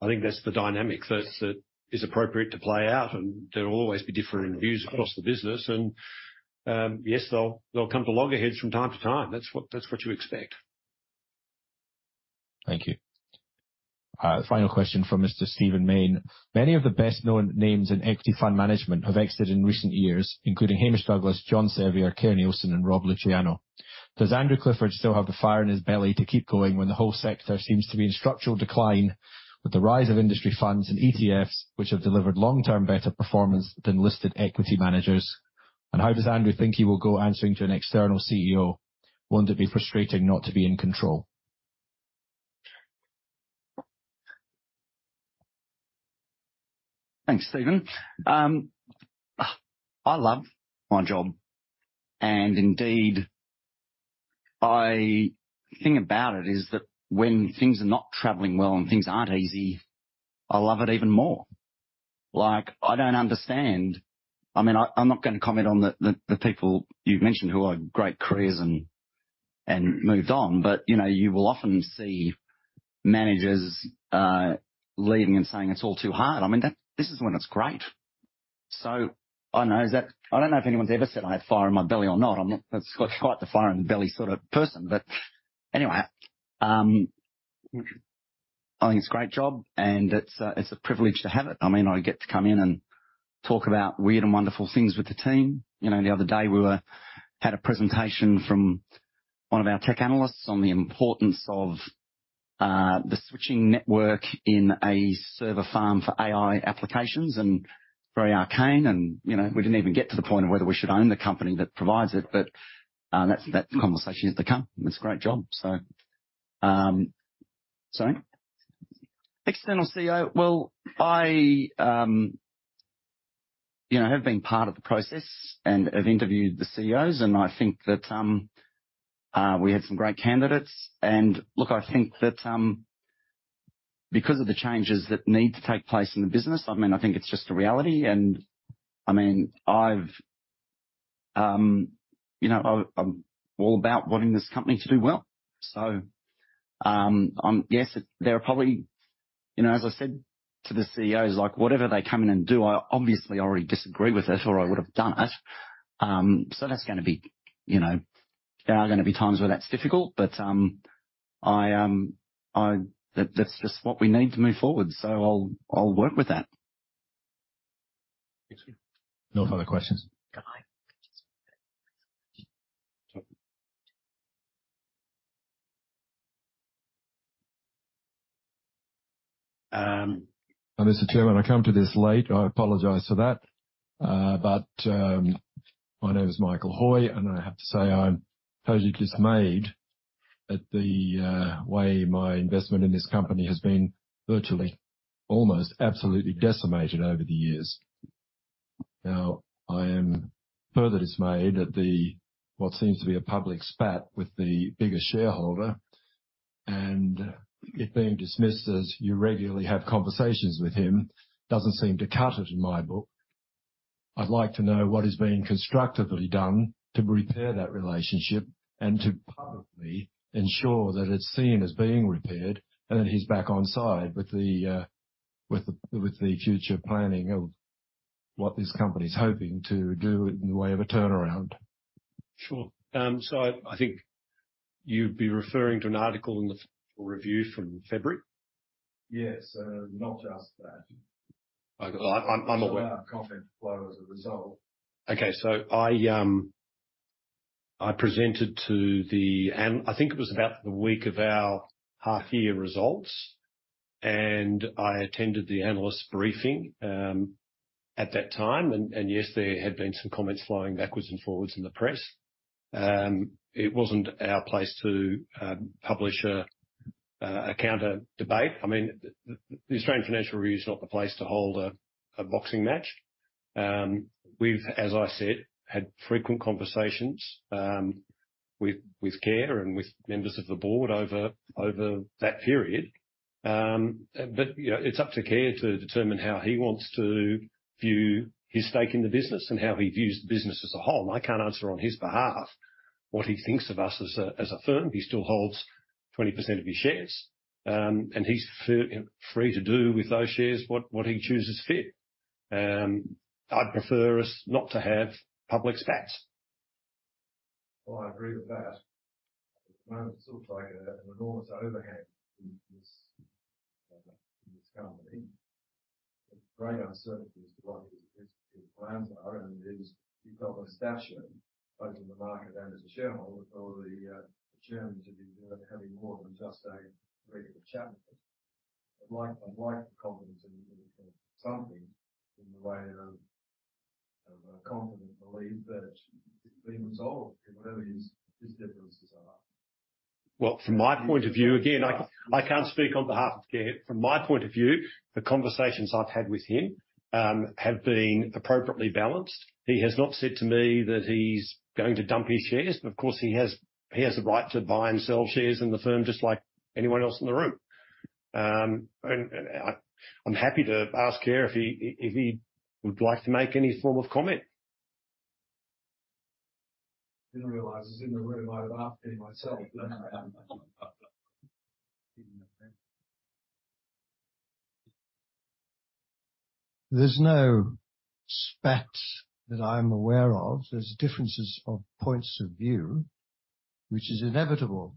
I think that's the dynamic that's that is appropriate to play out, and there'll always be differing views across the business, and yes, they'll come to loggerheads from time to time. That's what you expect. Thank you. Final question from Mr. Stephen Mayne. Many of the best-known names in equity fund management have exited in recent years, including Hamish Douglass, John Sevior, Kerr Neilson, and Rob Luciano. Does Andrew Clifford still have the fire in his belly to keep going when the whole sector seems to be in structural decline, with the rise of industry funds and ETFs, which have delivered long-term better performance than listed equity managers? And how does Andrew think he will go answering to an external CEO? Won't it be frustrating not to be in control? Thanks, Stephen. I love my job, and indeed, I... The thing about it is that when things are not traveling well and things aren't easy, I love it even more. Like, I don't understand. I mean, I, I'm not gonna comment on the, the, the people you've mentioned who had great careers and, and moved on, but, you know, you will often see managers, leaving and saying, "It's all too hard." I mean, that- this is when it's great. So I know is that... I don't know if anyone's ever said I had fire in my belly or not. I'm not quite the fire in the belly sort of person, but anyway... I think it's a great job, and it's a, it's a privilege to have it. I mean, I get to come in and talk about weird and wonderful things with the team. You know, the other day, we had a presentation from one of our tech analysts on the importance of the switching network in a server farm for AI applications, and it's very arcane and, you know, we didn't even get to the point of whether we should own the company that provides it, but that's, that conversation is to come. It's a great job, so. Sorry? External CEO. Well, I, you know, have been part of the process and have interviewed the CEOs, and I think that we had some great candidates. And look, I think that because of the changes that need to take place in the business, I mean, I think it's just a reality and I mean, I've, you know, I'm all about wanting this company to do well. So, I'm... Yes, there are probably, you know, as I said to the CEOs, like, whatever they come in and do, I obviously already disagree with it or I would have done it. So that's gonna be, you know, there are gonna be times where that's difficult, but I... That's just what we need to move forward, so I'll work with that. Thanks. No further questions. Guy- Mr. Chairman, I come to this late. I apologize for that. But, my name is Michael Hoy, and I have to say I'm totally dismayed at the way my investment in this company has been virtually, almost absolutely decimated over the years. Now, I am further dismayed at what seems to be a public spat with the biggest shareholder, and it being dismissed as you regularly have conversations with him doesn't seem to cut it in my book. I'd like to know what is being constructively done to repair that relationship and to publicly ensure that it's seen as being repaired, and that he's back on side with the future planning of what this company's hoping to do in the way of a turnaround. Sure. So I think you'd be referring to an article in the Financial Review from February? Yes, not just that. I'm aware. Confidence flow as a result. Okay. So I presented to the analysts. I think it was about the week of our half-year results, and I attended the analyst briefing at that time, and yes, there had been some comments flowing backwards and forwards in the press. It wasn't our place to publish a counter-debate. I mean, the Australian Financial Review is not the place to hold a boxing match. We've, as I said, had frequent conversations with Kerr and with members of the board over that period. But you know, it's up to Kerr to determine how he wants to view his stake in the business and how he views the business as a whole. I can't answer on his behalf what he thinks of us as a firm. He still holds 20% of his shares, and he's free to do with those shares what he chooses fit. I'd prefer us not to have public spats. Well, I agree with that. At the moment, it looks like an enormous overhang in this company. Great uncertainty as to what his plans are, and he's got the stature, both in the market and as a shareholder, for the chairman to be having more than just a regular chat with him. I'd like the confidence in something in the way of confidence and belief that it's been resolved, whatever his differences are. Well, from my point of view, again, I can't speak on behalf of Kerr. From my point of view, the conversations I've had with him have been appropriately balanced. He has not said to me that he's going to dump his shares, but of course, he has the right to buy and sell shares in the firm just like anyone else in the room. And I'm happy to ask Kerr if he would like to make any form of comment. I didn't realize he's in the room. I'd have asked him myself. There's no spat that I'm aware of. There's differences of points of view, which is inevitable,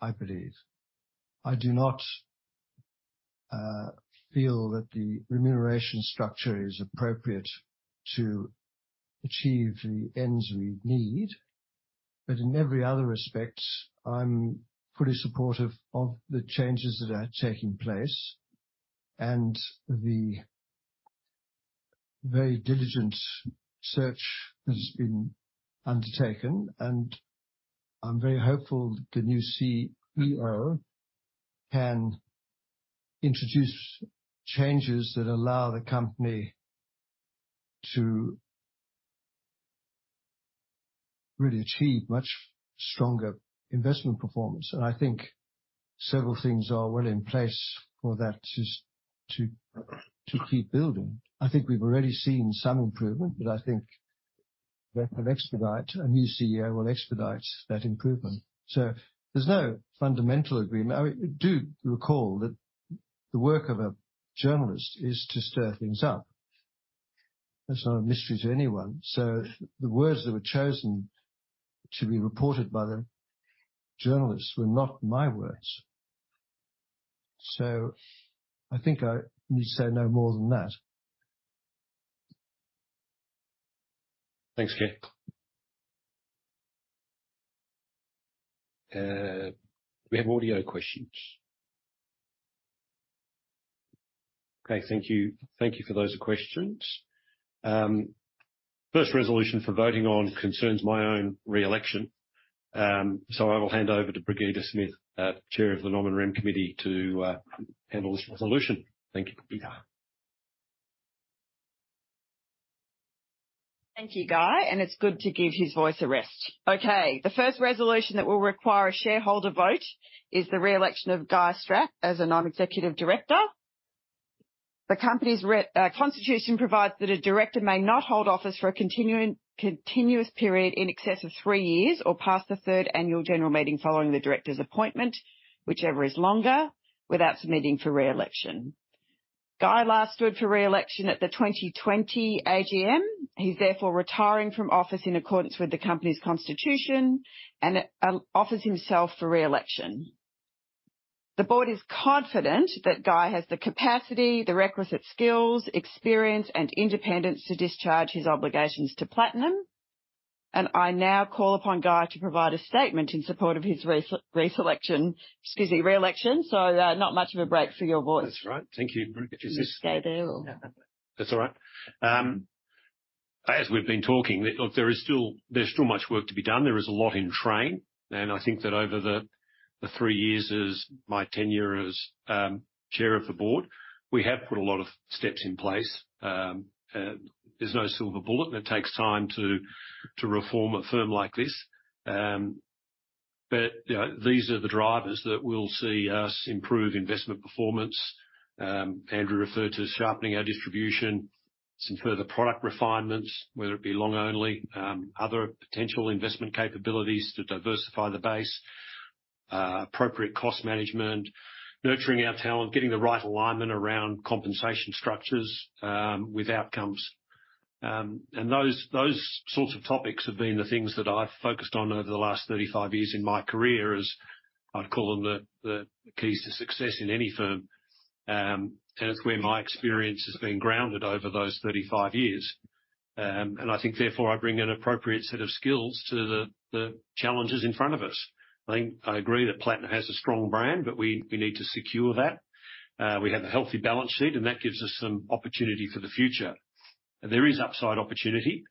I believe. I do not feel that the remuneration structure is appropriate to achieve the ends we need, but in every other respect, I'm fully supportive of the changes that are taking place, and the very diligent search that has been undertaken. I'm very hopeful the new CEO can introduce changes that allow the company to really achieve much stronger investment performance. I think several things are well in place for that to keep building. I think we've already seen some improvement, but I think that will expedite... A new CEO will expedite that improvement. There's no fundamental agreement. I do recall that the work of a journalist is to stir things up... That's not a mystery to anyone. The words that were chosen to be reported by the journalists were not my words. I think I need to say no more than that. Thanks, Guy. Do we have audio questions? Okay, thank you. Thank you for those questions. First resolution for voting on concerns my own re-election. So I will hand over to Brigitte Smith, Chair of the Nomination Committee, to handle this resolution. Thank you, Brigitte. Thank you, Guy, and it's good to give his voice a rest. Okay, the first resolution that will require a shareholder vote is the re-election of Guy Strapp as a non-executive director. The company's constitution provides that a director may not hold office for a continuous period in excess of three years or past the third annual general meeting following the director's appointment, whichever is longer, without submitting for re-election. Guy last stood for re-election at the 2020 AGM. He's therefore retiring from office in accordance with the company's constitution and offers himself for re-election. The board is confident that Guy has the capacity, the requisite skills, experience, and independence to discharge his obligations to Platinum, and I now call upon Guy to provide a statement in support of his re-election. Excuse me, re-election. So, not much of a break for your voice. That's right. Thank you, Brigitte. You stay there or- That's all right. As we've been talking, look, there is still much work to be done. There is a lot in train, and I think that over the three years as my tenure as Chair of the Board, we have put a lot of steps in place. There's no silver bullet, and it takes time to reform a firm like this. But, you know, these are the drivers that will see us improve investment performance. Andrew referred to sharpening our distribution, some further product refinements, whether it be long only, other potential investment capabilities to diversify the base, appropriate cost management, nurturing our talent, getting the right alignment around compensation structures, with outcomes. And those sorts of topics have been the things that I've focused on over the last 35 years in my career, as I'd call them, the keys to success in any firm. And it's where my experience has been grounded over those 35 years. And I think, therefore, I bring an appropriate set of skills to the challenges in front of us. I think I agree that Platinum has a strong brand, but we need to secure that. We have a healthy balance sheet, and that gives us some opportunity for the future. There is upside opportunity.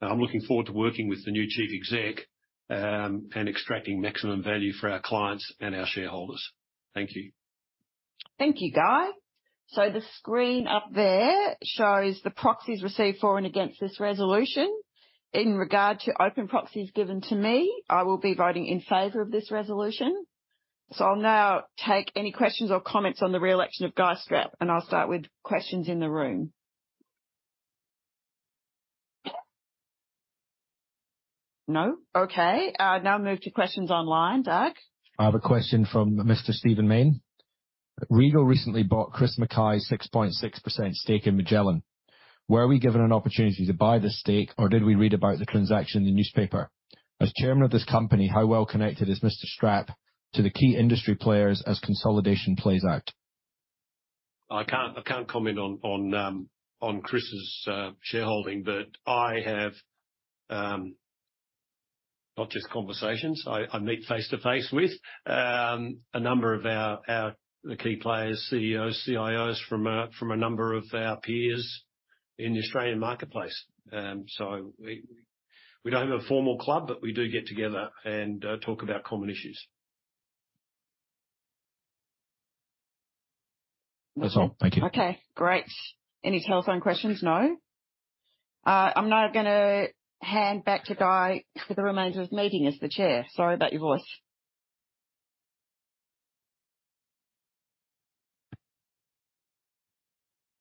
I'm looking forward to working with the new chief exec and extracting maximum value for our clients and our shareholders. Thank you. Thank you, Guy. So the screen up there shows the proxies received for and against this resolution. In regard to open proxies given to me, I will be voting in favor of this resolution. So I'll now take any questions or comments on the re-election of Guy Strapp, and I'll start with questions in the room. No? Okay, I'll now move to questions online. Doug? I have a question from Mr. Stephen Mayne. Regal recently bought Chris Mackay's 6.6% stake in Magellan. Were we given an opportunity to buy this stake, or did we read about the transaction in the newspaper? As chairman of this company, how well connected is Mr. Strapp to the key industry players as consolidation plays out? I can't comment on Chris's shareholding, but I have not just conversations. I meet face-to-face with a number of the key players, CEOs, CIOs, from a number of our peers in the Australian marketplace. So we don't have a formal club, but we do get together and talk about common issues. That's all. Thank you. Okay, great. Any telephone questions? No. I'm now gonna hand back to Guy for the remainder of the meeting as the chair. Sorry about your voice.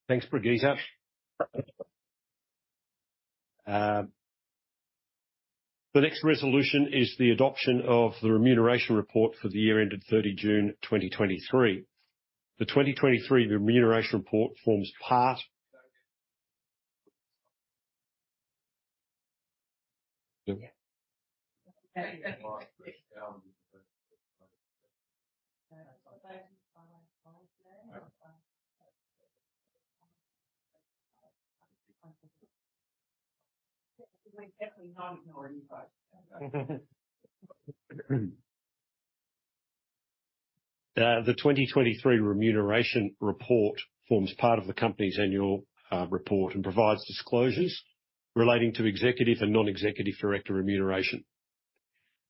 Thanks, Brigitte. The next resolution is the adoption of the remuneration report for the year ended 30 June 2023. The 2023 remuneration report forms part of the company's annual report and provides disclosures relating to executive and non-executive director remuneration.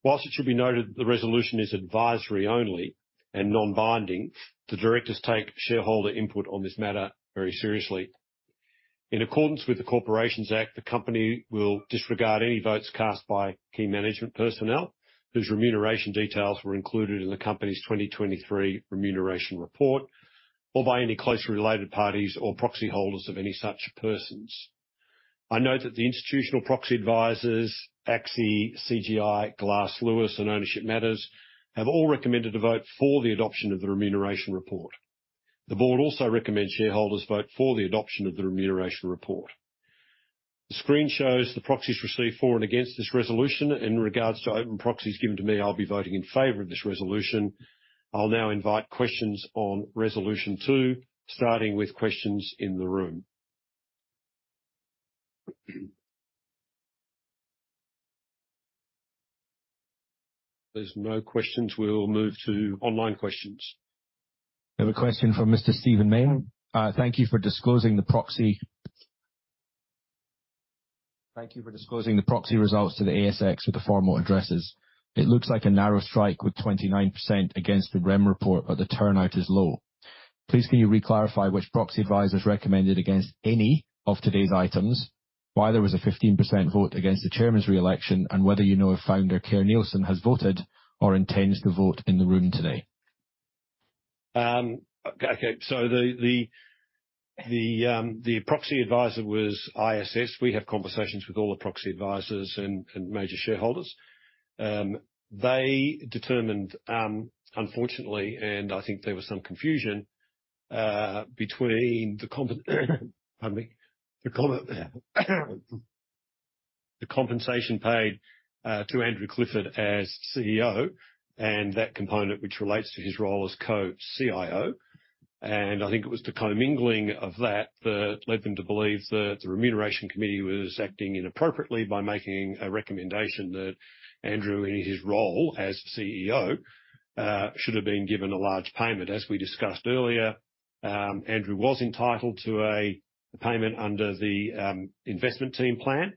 While it should be noted, the resolution is advisory only and non-binding, the directors take shareholder input on this matter very seriously. In accordance with the Corporations Act, the company will disregard any votes cast by key management personnel whose remuneration details were included in the company's 2023 remuneration report or by any closely related parties or proxy holders of any such persons. I note that the institutional proxy advisors, ACSI, CGI, Glass Lewis, and Ownership Matters, have all recommended a vote for the adoption of the remuneration report. The board also recommends shareholders vote for the adoption of the remuneration report. The screen shows the proxies received for and against this resolution. In regards to open proxies given to me, I'll be voting in favor of this resolution. I'll now invite questions on resolution two, starting with questions in the room. There's no questions. We'll move to online questions. We have a question from Mr. Stephen Mayne. "Thank you for disclosing the proxy. Thank you for disclosing the proxy results to the ASX with the formal addresses. It looks like a narrow strike, with 29% against the Rem report, but the turnout is low. Please, can you re-clarify which proxy advisors recommended against any of today's items? Why there was a 15% vote against the chairman's re-election, and whether you know if founder, Kerr Neilson, has voted or intends to vote in the room today? Okay, so the proxy advisor was ISS. We have conversations with all the proxy advisors and major shareholders. They determined, unfortunately, and I think there was some confusion between the compensation paid to Andrew Clifford as CEO, and that component which relates to his role as co-CIO, and I think it was the co-mingling of that that led them to believe that the remuneration committee was acting inappropriately by making a recommendation that Andrew, in his role as CEO, should have been given a large payment. As we discussed earlier, Andrew was entitled to a payment under the investment team plan.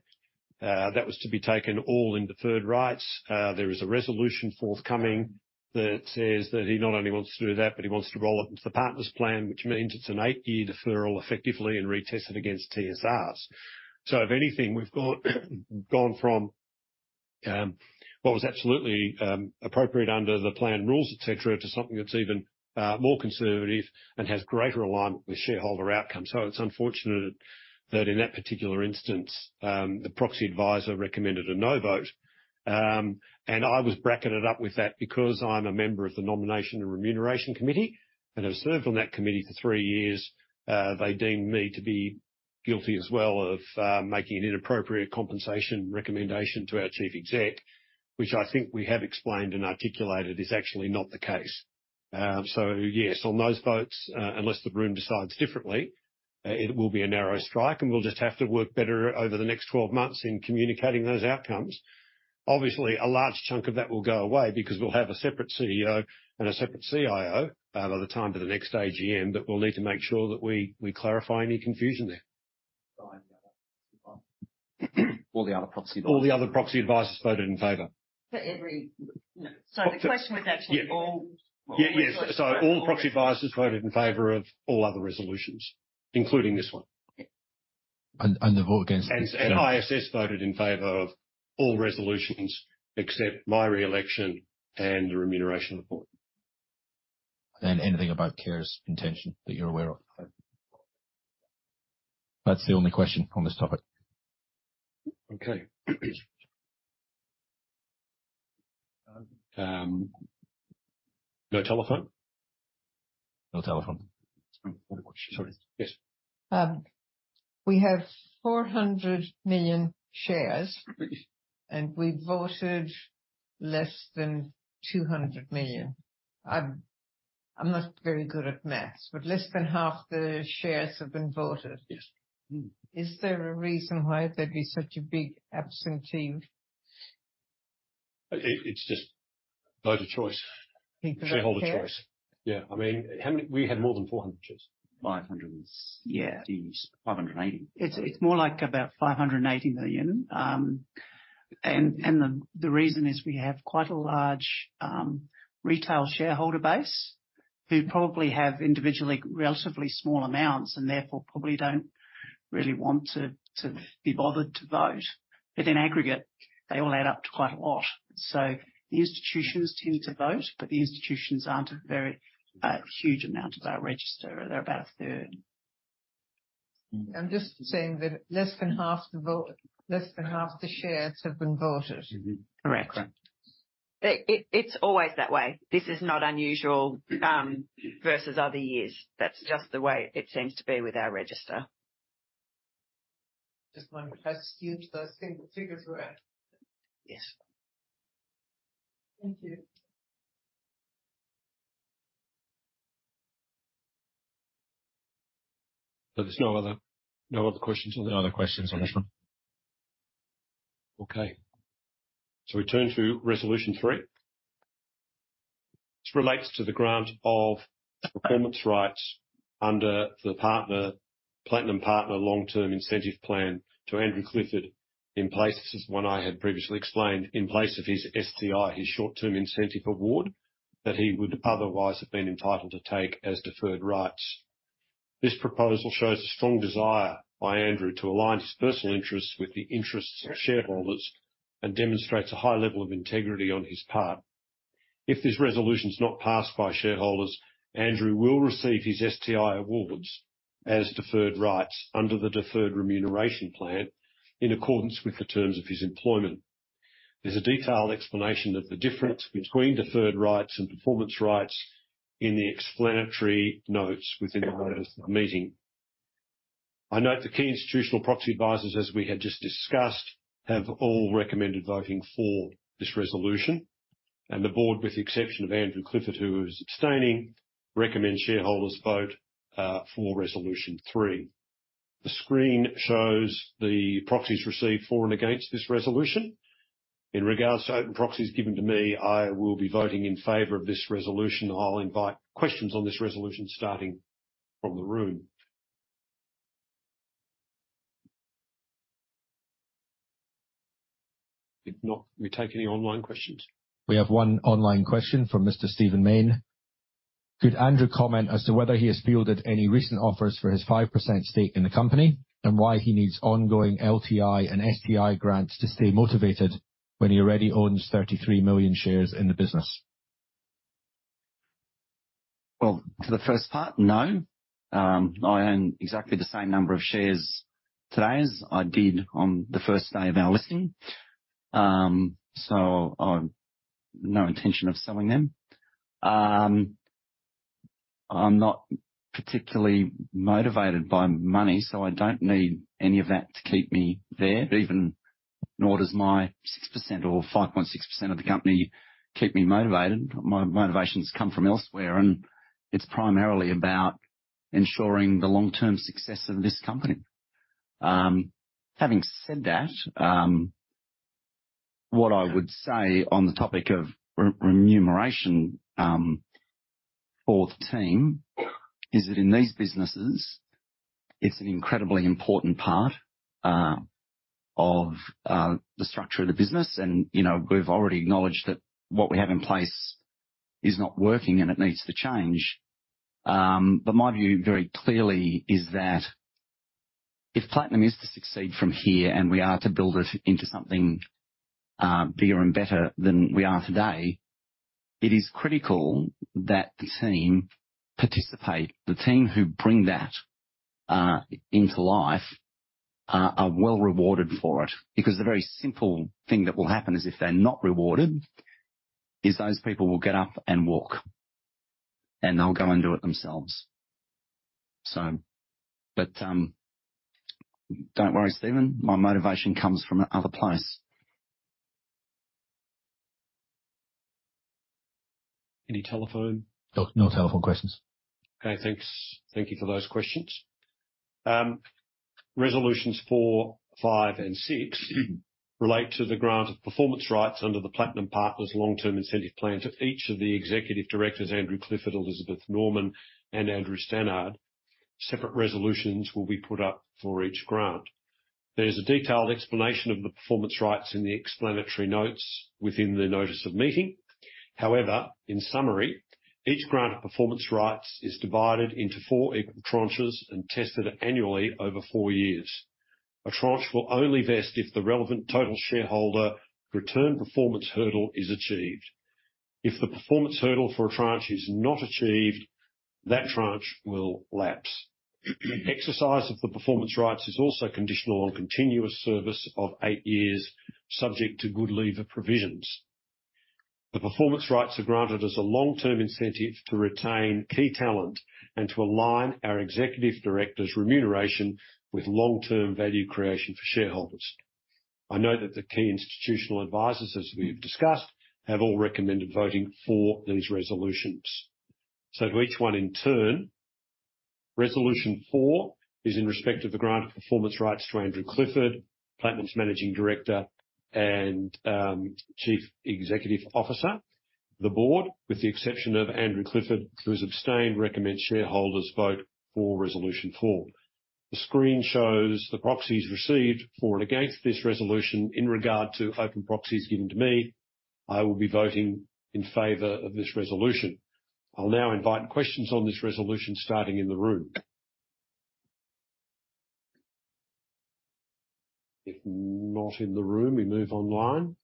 That was to be taken all in deferred rights. There is a resolution forthcoming that says that he not only wants to do that, but he wants to roll it into the Partners Plan, which means it's an eight-year deferral, effectively, and retested against TSRs. So if anything, we've got gone from what was absolutely appropriate under the plan rules, et cetera, to something that's even more conservative and has greater alignment with shareholder outcomes. So it's unfortunate that in that particular instance, the proxy advisor recommended a no vote. And I was bracketed up with that because I'm a member of the Nomination and Remuneration Committee, and have served on that committee for three years. They deemed me to be guilty as well of making an inappropriate compensation recommendation to our chief exec, which I think we have explained and articulated is actually not the case. So yes, on those votes, unless the room decides differently, it will be a narrow strike, and we'll just have to work better over the next 12 months in communicating those outcomes. Obviously, a large chunk of that will go away because we'll have a separate CEO and a separate CIO by the time of the next AGM, but we'll need to make sure that we, we clarify any confusion there. All the other proxy advisors. All the other proxy advisors voted in favor. So the question was actually- Yeah. -all? Yeah. Yes, so all proxy advisors voted in favor of all other resolutions, including this one. And the vote against- ISS voted in favor of all resolutions except my re-election and the remuneration report. Anything about Kerr's intention that you're aware of? That's the only question on this topic. Okay. No telephone? No telephone. Sorry. Yes. We have 400 million shares, and we voted less than 200 million. I'm not very good at math, but less than half the shares have been voted. Yes. Is there a reason why there'd be such a big absentee? It's just vote of choice. People don't care? Shareholder choice. Yeah. I mean, how many... We had more than 400 shares. 500 and- Yeah. 580. It's more like about 580 million. And the reason is we have quite a large retail shareholder base, who probably have individually relatively small amounts, and therefore, probably don't really want to be bothered to vote. But in aggregate, they all add up to quite a lot. So the institutions tend to vote, but the institutions aren't a very huge amount of our register. They're about 1/3. I'm just saying that less than half the shares have been voted. Correct. Correct. It's always that way. This is not unusual versus other years. That's just the way it seems to be with our register. Just wondering how huge those single figures were? Yes. Thank you. So, there's no other questions on this? No other questions on this one. Okay. So we turn to resolution three. This relates to the grant of performance rights under the Platinum Partners Long-Term Incentive Plan to Andrew Clifford, in place. This is one I had previously explained, in place of his STI, his short-term incentive award, that he would otherwise have been entitled to take as deferred rights. This proposal shows a strong desire by Andrew to align his personal interests with the interests of shareholders and demonstrates a high level of integrity on his part. If this resolution is not passed by shareholders, Andrew will receive his STI awards as deferred rights under the deferred remuneration plan, in accordance with the terms of his employment. There's a detailed explanation of the difference between deferred rights and performance rights in the explanatory notes within the notice of the meeting. I note the key institutional proxy advisors, as we have just discussed, have all recommended voting for this resolution, and the board, with the exception of Andrew Clifford, who is abstaining, recommends shareholders vote for resolution three. The screen shows the proxies received for and against this resolution. In regards to open proxies given to me, I will be voting in favor of this resolution. I'll invite questions on this resolution starting from the room. If not, we take any online questions? We have one online question from Mr. Stephen Mayne. Could Andrew comment as to whether he has fielded any recent offers for his 5% stake in the company? And why he needs ongoing LTI and STI grants to stay motivated when he already owns 33 million shares in the business. Well, for the first part, no. I own exactly the same number of shares today as I did on the first day of our listing. So I've no intention of selling them. I'm not particularly motivated by money, so I don't need any of that to keep me there, even nor does my 6% or 5.6% of the company keep me motivated. My motivations come from elsewhere, and it's primarily about ensuring the long-term success of this company. Having said that, what I would say on the topic of re-remuneration, for the team, is that in these businesses, it's an incredibly important part of the structure of the business. And, you know, we've already acknowledged that what we have in place is not working, and it needs to change. But my view, very clearly, is that if Platinum is to succeed from here, and we are to build it into something, bigger and better than we are today, it is critical that the team participate. The team who bring that into life are well rewarded for it. Because the very simple thing that will happen is if they're not rewarded, those people will get up and walk, and they'll go and do it themselves. So... But, don't worry, Stephen, my motivation comes from another place. Any telephone? No, no telephone questions. Okay, thanks. Thank you for those questions. Resolutions four, five, and six relate to the grant of performance rights under the Platinum Partners' Long Term Incentive Plan to each of the executive directors, Andrew Clifford, Elizabeth Norman, and Andrew Stannard. Separate resolutions will be put up for each grant. There's a detailed explanation of the performance rights in the explanatory notes within the notice of meeting. However, in summary, each grant of performance rights is divided into four equal tranches and tested annually over four years. A tranche will only vest if the relevant total shareholder return performance hurdle is achieved. If the performance hurdle for a tranche is not achieved, that tranche will lapse. Exercise of the performance rights is also conditional on continuous service of eight years, subject to good leaver provisions. The performance rights are granted as a long-term incentive to retain key talent and to align our executive directors' remuneration with long-term value creation for shareholders. I know that the key institutional advisors, as we have discussed, have all recommended voting for these resolutions. So to each one in turn. Resolution four is in respect of the grant of performance rights to Andrew Clifford, Platinum's Managing Director and Chief Executive Officer. The board, with the exception of Andrew Clifford, who has abstained, recommends shareholders vote for resolution four. The screen shows the proxies received for and against this resolution. In regard to open proxies given to me, I will be voting in favor of this resolution. I'll now invite questions on this resolution, starting in the room. If not in the room, we move online.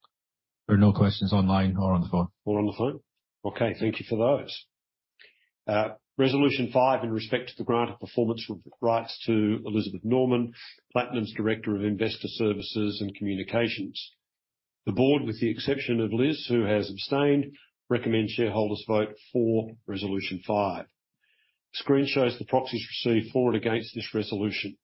There are no questions online or on the phone. Or on the phone? Okay, thank you for those. Resolution five in respect to the grant of performance rights to Elizabeth Norman, Platinum's Director of Investor Services and Communications. The board, with the exception of Liz, who has abstained, recommends shareholders vote for resolution five. Screen shows the proxies received for and against this resolution.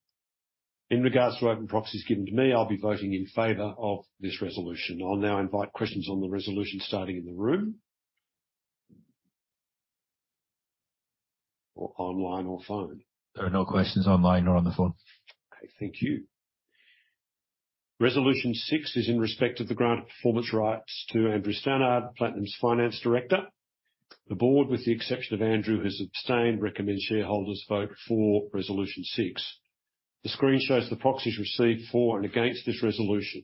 In regards to open proxies given to me, I'll be voting in favor of this resolution. I'll now invite questions on the resolution starting in the room... Or online or phone. There are no questions online or on the phone. Okay, thank you. Resolution six is in respect of the grant of performance rights to Andrew Stannard, Platinum's finance director. The board, with the exception of Andrew, who's abstained, recommends shareholders vote for resolution six. The screen shows the proxies received for and against this resolution.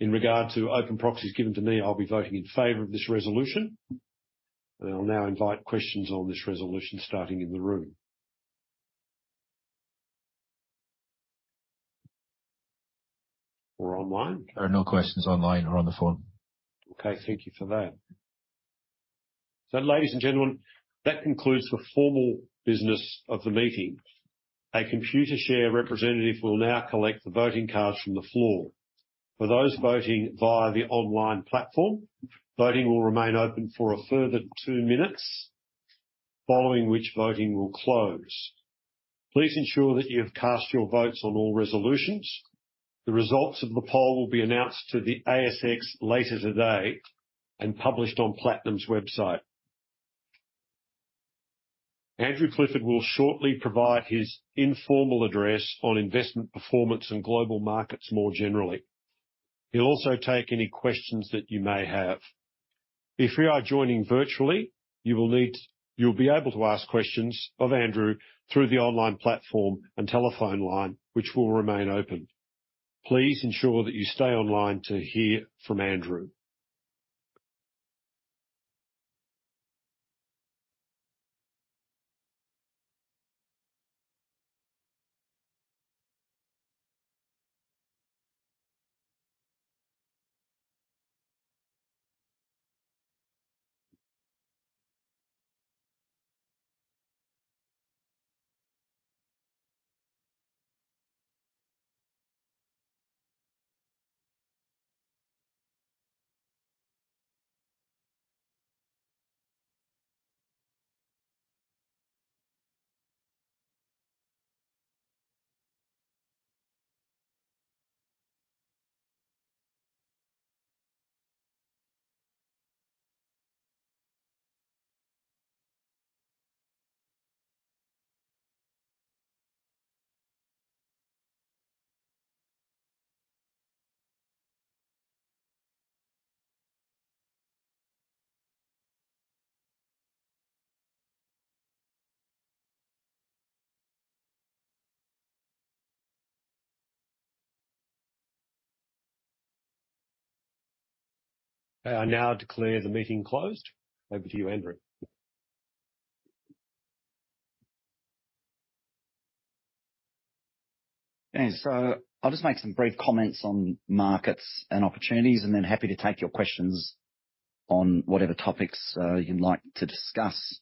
In regard to open proxies given to me, I'll be voting in favor of this resolution. I'll now invite questions on this resolution, starting in the room... or online. There are no questions online or on the phone. Okay, thank you for that... So ladies and gentlemen, that concludes the formal business of the meeting. A Computershare representative will now collect the voting cards from the floor. For those voting via the online platform, voting will remain open for a further two minutes, following which voting will close. Please ensure that you have cast your votes on all resolutions. The results of the poll will be announced to the ASX later today and published on Platinum's website. Andrew Clifford will shortly provide his informal address on investment performance and global markets more generally. He'll also take any questions that you may have. If you are joining virtually, you'll be able to ask questions of Andrew through the online platform and telephone line, which will remain open. Please ensure that you stay online to hear from Andrew. I now declare the meeting closed. Over to you, Andrew. Thanks. So I'll just make some brief comments on markets and opportunities, and then happy to take your questions on whatever topics you'd like to discuss.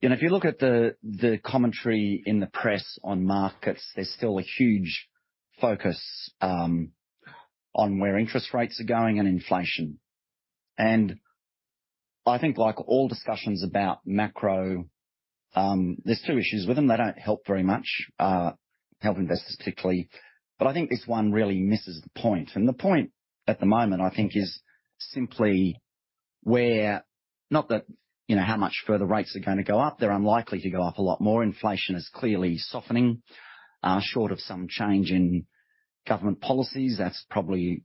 You know, if you look at the commentary in the press on markets, there's still a huge focus on where interest rates are going and inflation. And I think like all discussions about macro, there's two issues with them. They don't help very much help investors, particularly. But I think this one really misses the point. And the point at the moment, I think, is simply where... Not that, you know, how much further rates are gonna go up, they're unlikely to go up a lot more. Inflation is clearly softening. Short of some change in government policies, that's probably,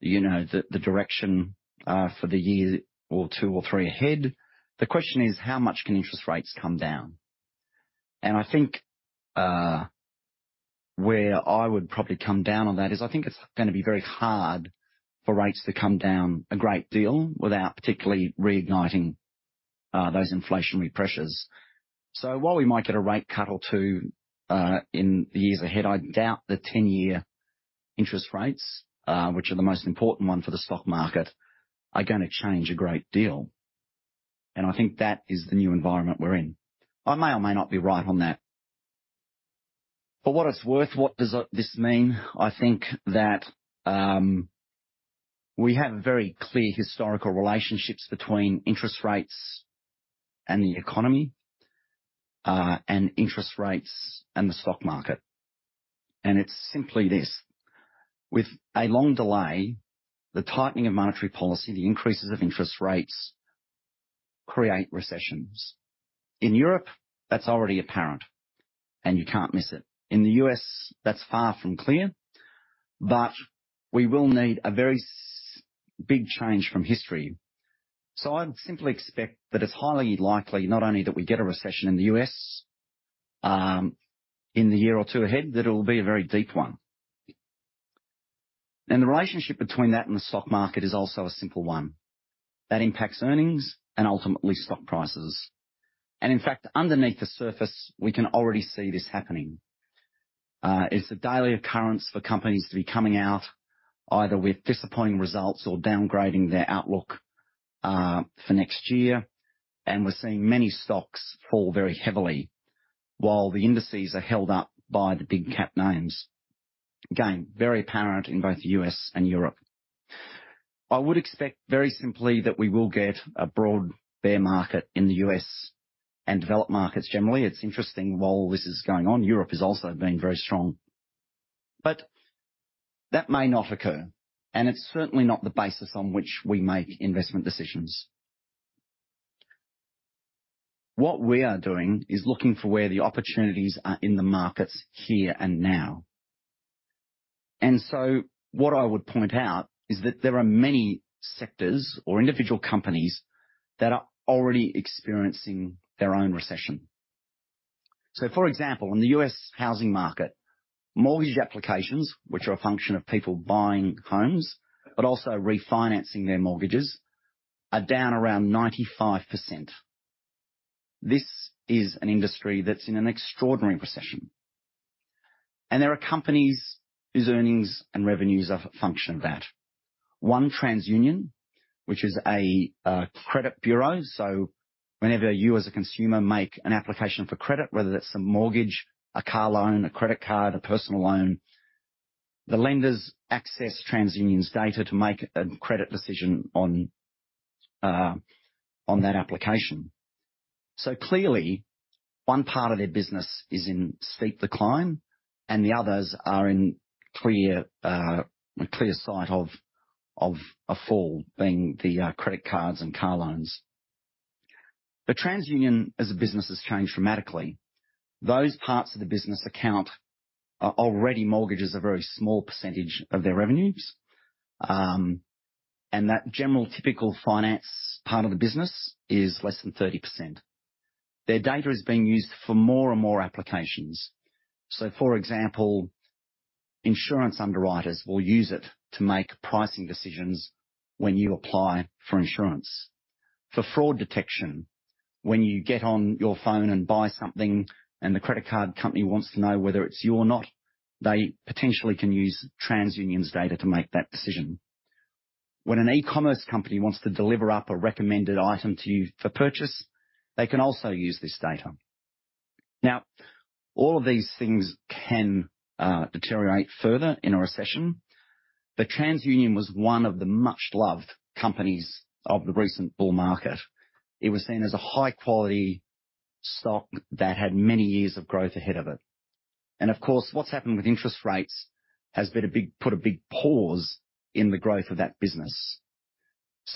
you know, the direction for the year or two or three ahead. The question is: How much can interest rates come down? And I think, where I would probably come down on that is, I think it's gonna be very hard for rates to come down a great deal without particularly reigniting those inflationary pressures. So while we might get a rate cut or two in the years ahead, I doubt the 10-year interest rates, which are the most important one for the stock market, are gonna change a great deal. And I think that is the new environment we're in. I may or may not be right on that. For what it's worth, what does this mean? I think that we have very clear historical relationships between interest rates and the economy and interest rates and the stock market. It's simply this: with a long delay, the tightening of monetary policy, the increases of interest rates, create recessions. In Europe, that's already apparent, and you can't miss it. In the U.S., that's far from clear, but we will need a very big change from history. So I'd simply expect that it's highly likely, not only that we get a recession in the U.S., in the year or two ahead, that it'll be a very deep one. And the relationship between that and the stock market is also a simple one. That impacts earnings and ultimately stock prices. And in fact, underneath the surface, we can already see this happening. It's a daily occurrence for companies to be coming out either with disappointing results or downgrading their outlook for next year. We're seeing many stocks fall very heavily while the indices are held up by the big cap names. Again, very apparent in both the U.S. and Europe. I would expect very simply, that we will get a broad bear market in the U.S. and developed markets generally. It's interesting, while this is going on, Europe has also been very strong. But that may not occur, and it's certainly not the basis on which we make investment decisions. What we are doing is looking for where the opportunities are in the markets here and now. And so what I would point out is that there are many sectors or individual companies that are already experiencing their own recession. So for example, in the U.S. housing market, mortgage applications, which are a function of people buying homes, but also refinancing their mortgages, are down around 95%. This is an industry that's in an extraordinary recession. There are companies whose earnings and revenues are a function of that. One, TransUnion, which is a credit bureau. So whenever you as a consumer make an application for credit, whether that's a mortgage, a car loan, a credit card, a personal loan, the lenders access TransUnion's data to make a credit decision on that application. So clearly, one part of their business is in steep decline, and the others are in clear sight of a fall, being the credit cards and car loans. But TransUnion, as a business, has changed dramatically. Those parts of the business account are already... mortgages are a very small percentage of their revenues, and that general typical finance part of the business is less than 30%. Their data is being used for more and more applications. So, for example, insurance underwriters will use it to make pricing decisions when you apply for insurance. For fraud detection, when you get on your phone and buy something, and the credit card company wants to know whether it's you or not, they potentially can use TransUnion's data to make that decision. When an e-commerce company wants to deliver up a recommended item to you for purchase, they can also use this data. Now, all of these things can deteriorate further in a recession, but TransUnion was one of the much-loved companies of the recent bull market. It was seen as a high-quality stock that had many years of growth ahead of it. And of course, what's happened with interest rates has been a big pause in the growth of that business.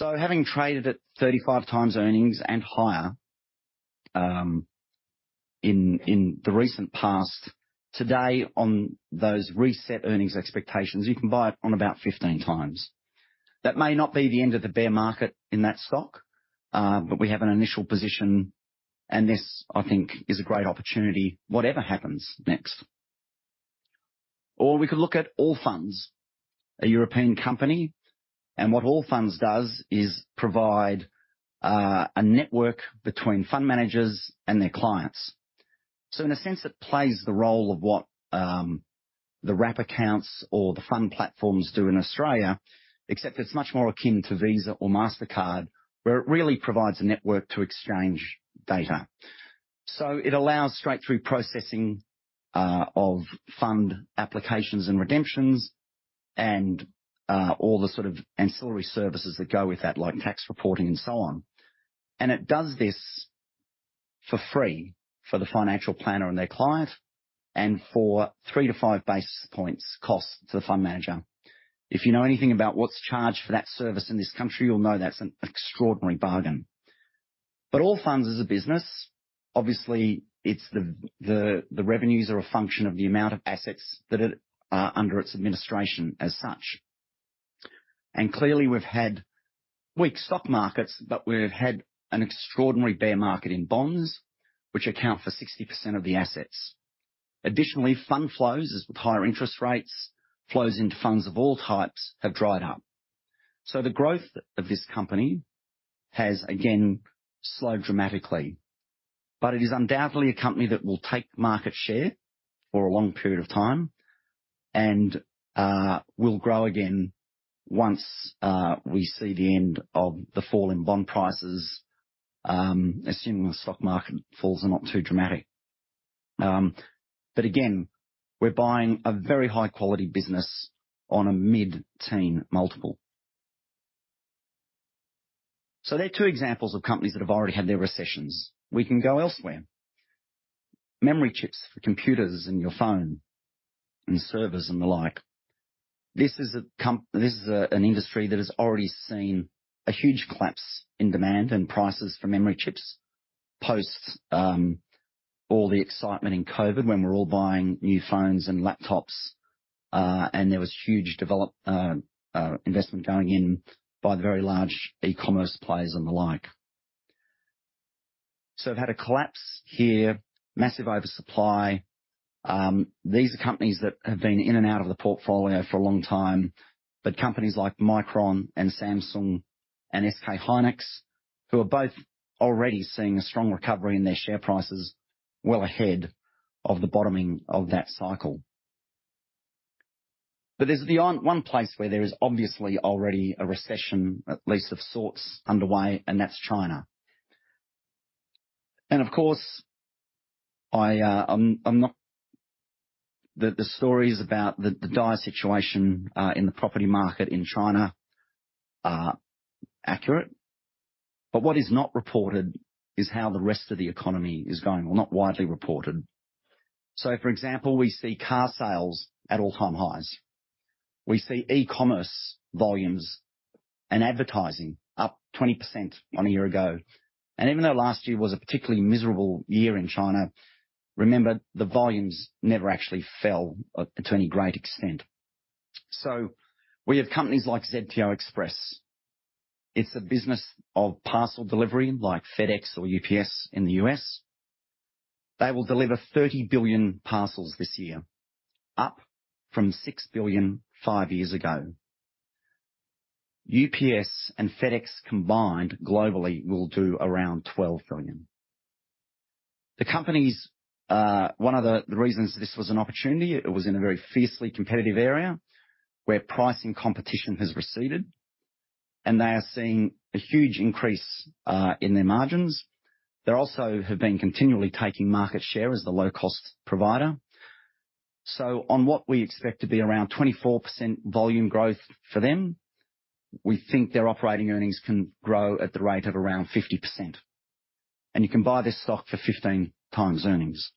Having traded at 35x earnings and higher, in the recent past, today on those reset earnings expectations, you can buy it on about 15x. That may not be the end of the bear market in that stock, but we have an initial position, and this, I think, is a great opportunity, whatever happens next. Or we could look at Allfunds, a European company, and what Allfunds does is provide a network between fund managers and their clients. So in a sense, it plays the role of what the wrap accounts or the fund platforms do in Australia, except it's much more akin to Visa or MasterCard, where it really provides a network to exchange data. So it allows straight-through processing of fund applications and redemptions and all the sort of ancillary services that go with that, like tax reporting and so on. And it does this for free for the financial planner and their client, and for 3 basis points-5 basis points cost to the fund manager. If you know anything about what's charged for that service in this country, you'll know that's an extraordinary bargain. But Allfunds is a business. Obviously, it's the revenues are a function of the amount of assets that are under its administration as such. And clearly, we've had weak stock markets, but we've had an extraordinary bear market in bonds, which account for 60% of the assets. Additionally, fund flows, as with higher interest rates, flows into funds of all types have dried up. So the growth of this company has again slowed dramatically, but it is undoubtedly a company that will take market share for a long period of time and will grow again once we see the end of the fall in bond prices, assuming the stock market falls are not too dramatic. But again, we're buying a very high quality business on a mid-teen multiple. So they're two examples of companies that have already had their recessions. We can go elsewhere. Memory chips for computers and your phone and servers and the like. This is a, an industry that has already seen a huge collapse in demand and prices for memory chips post all the excitement in COVID, when we're all buying new phones and laptops, and there was huge investment going in by the very large e-commerce players and the like. So we've had a collapse here, massive oversupply. These are companies that have been in and out of the portfolio for a long time, but companies like Micron and Samsung and SK Hynix, who are both already seeing a strong recovery in their share prices well ahead of the bottoming of that cycle. But there's beyond one place where there is obviously already a recession, at least of sorts, underway, and that's China. And of course, I, I'm not... The stories about the dire situation in the property market in China are accurate, but what is not reported is how the rest of the economy is going, or not widely reported. So, for example, we see car sales at all-time highs. We see e-commerce volumes and advertising up 20% on a year ago. And even though last year was a particularly miserable year in China, remember, the volumes never actually fell to any great extent. So we have companies like ZTO Express. It's a business of parcel delivery, like FedEx or UPS in the U.S. They will deliver 30 billion parcels this year, up from 6 billion 5 years ago. UPS and FedEx combined globally will do around 12 billion. The companies, one of the, the reasons this was an opportunity, it was in a very fiercely competitive area where pricing competition has receded, and they are seeing a huge increase in their margins. They also have been continually taking market share as the low-cost provider. So on what we expect to be around 24% volume growth for them, we think their operating earnings can grow at the rate of around 50%, and you can buy this stock for 15x earnings.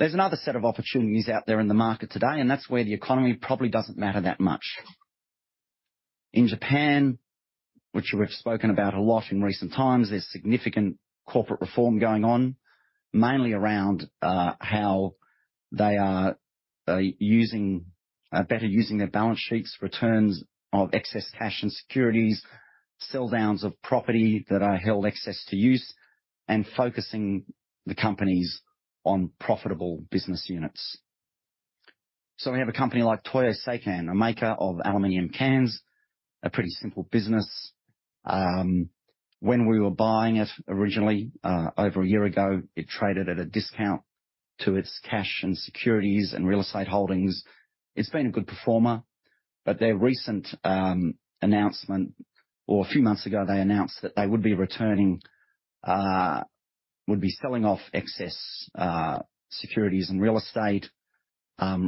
There's another set of opportunities out there in the market today, and that's where the economy probably doesn't matter that much. In Japan, which we've spoken about a lot in recent times, there's significant corporate reform going on, mainly around how they are better using their balance sheets, returns of excess cash and securities, sell downs of property that are held excess to use, and focusing the companies on profitable business units. So we have a company like Toyo Seikan, a maker of aluminum cans, a pretty simple business. When we were buying it originally, over a year ago, it traded at a discount to its cash and securities and real estate holdings. It's been a good performer, but their recent announcement, or a few months ago, they announced that they would be returning... would be selling off excess, securities and real estate,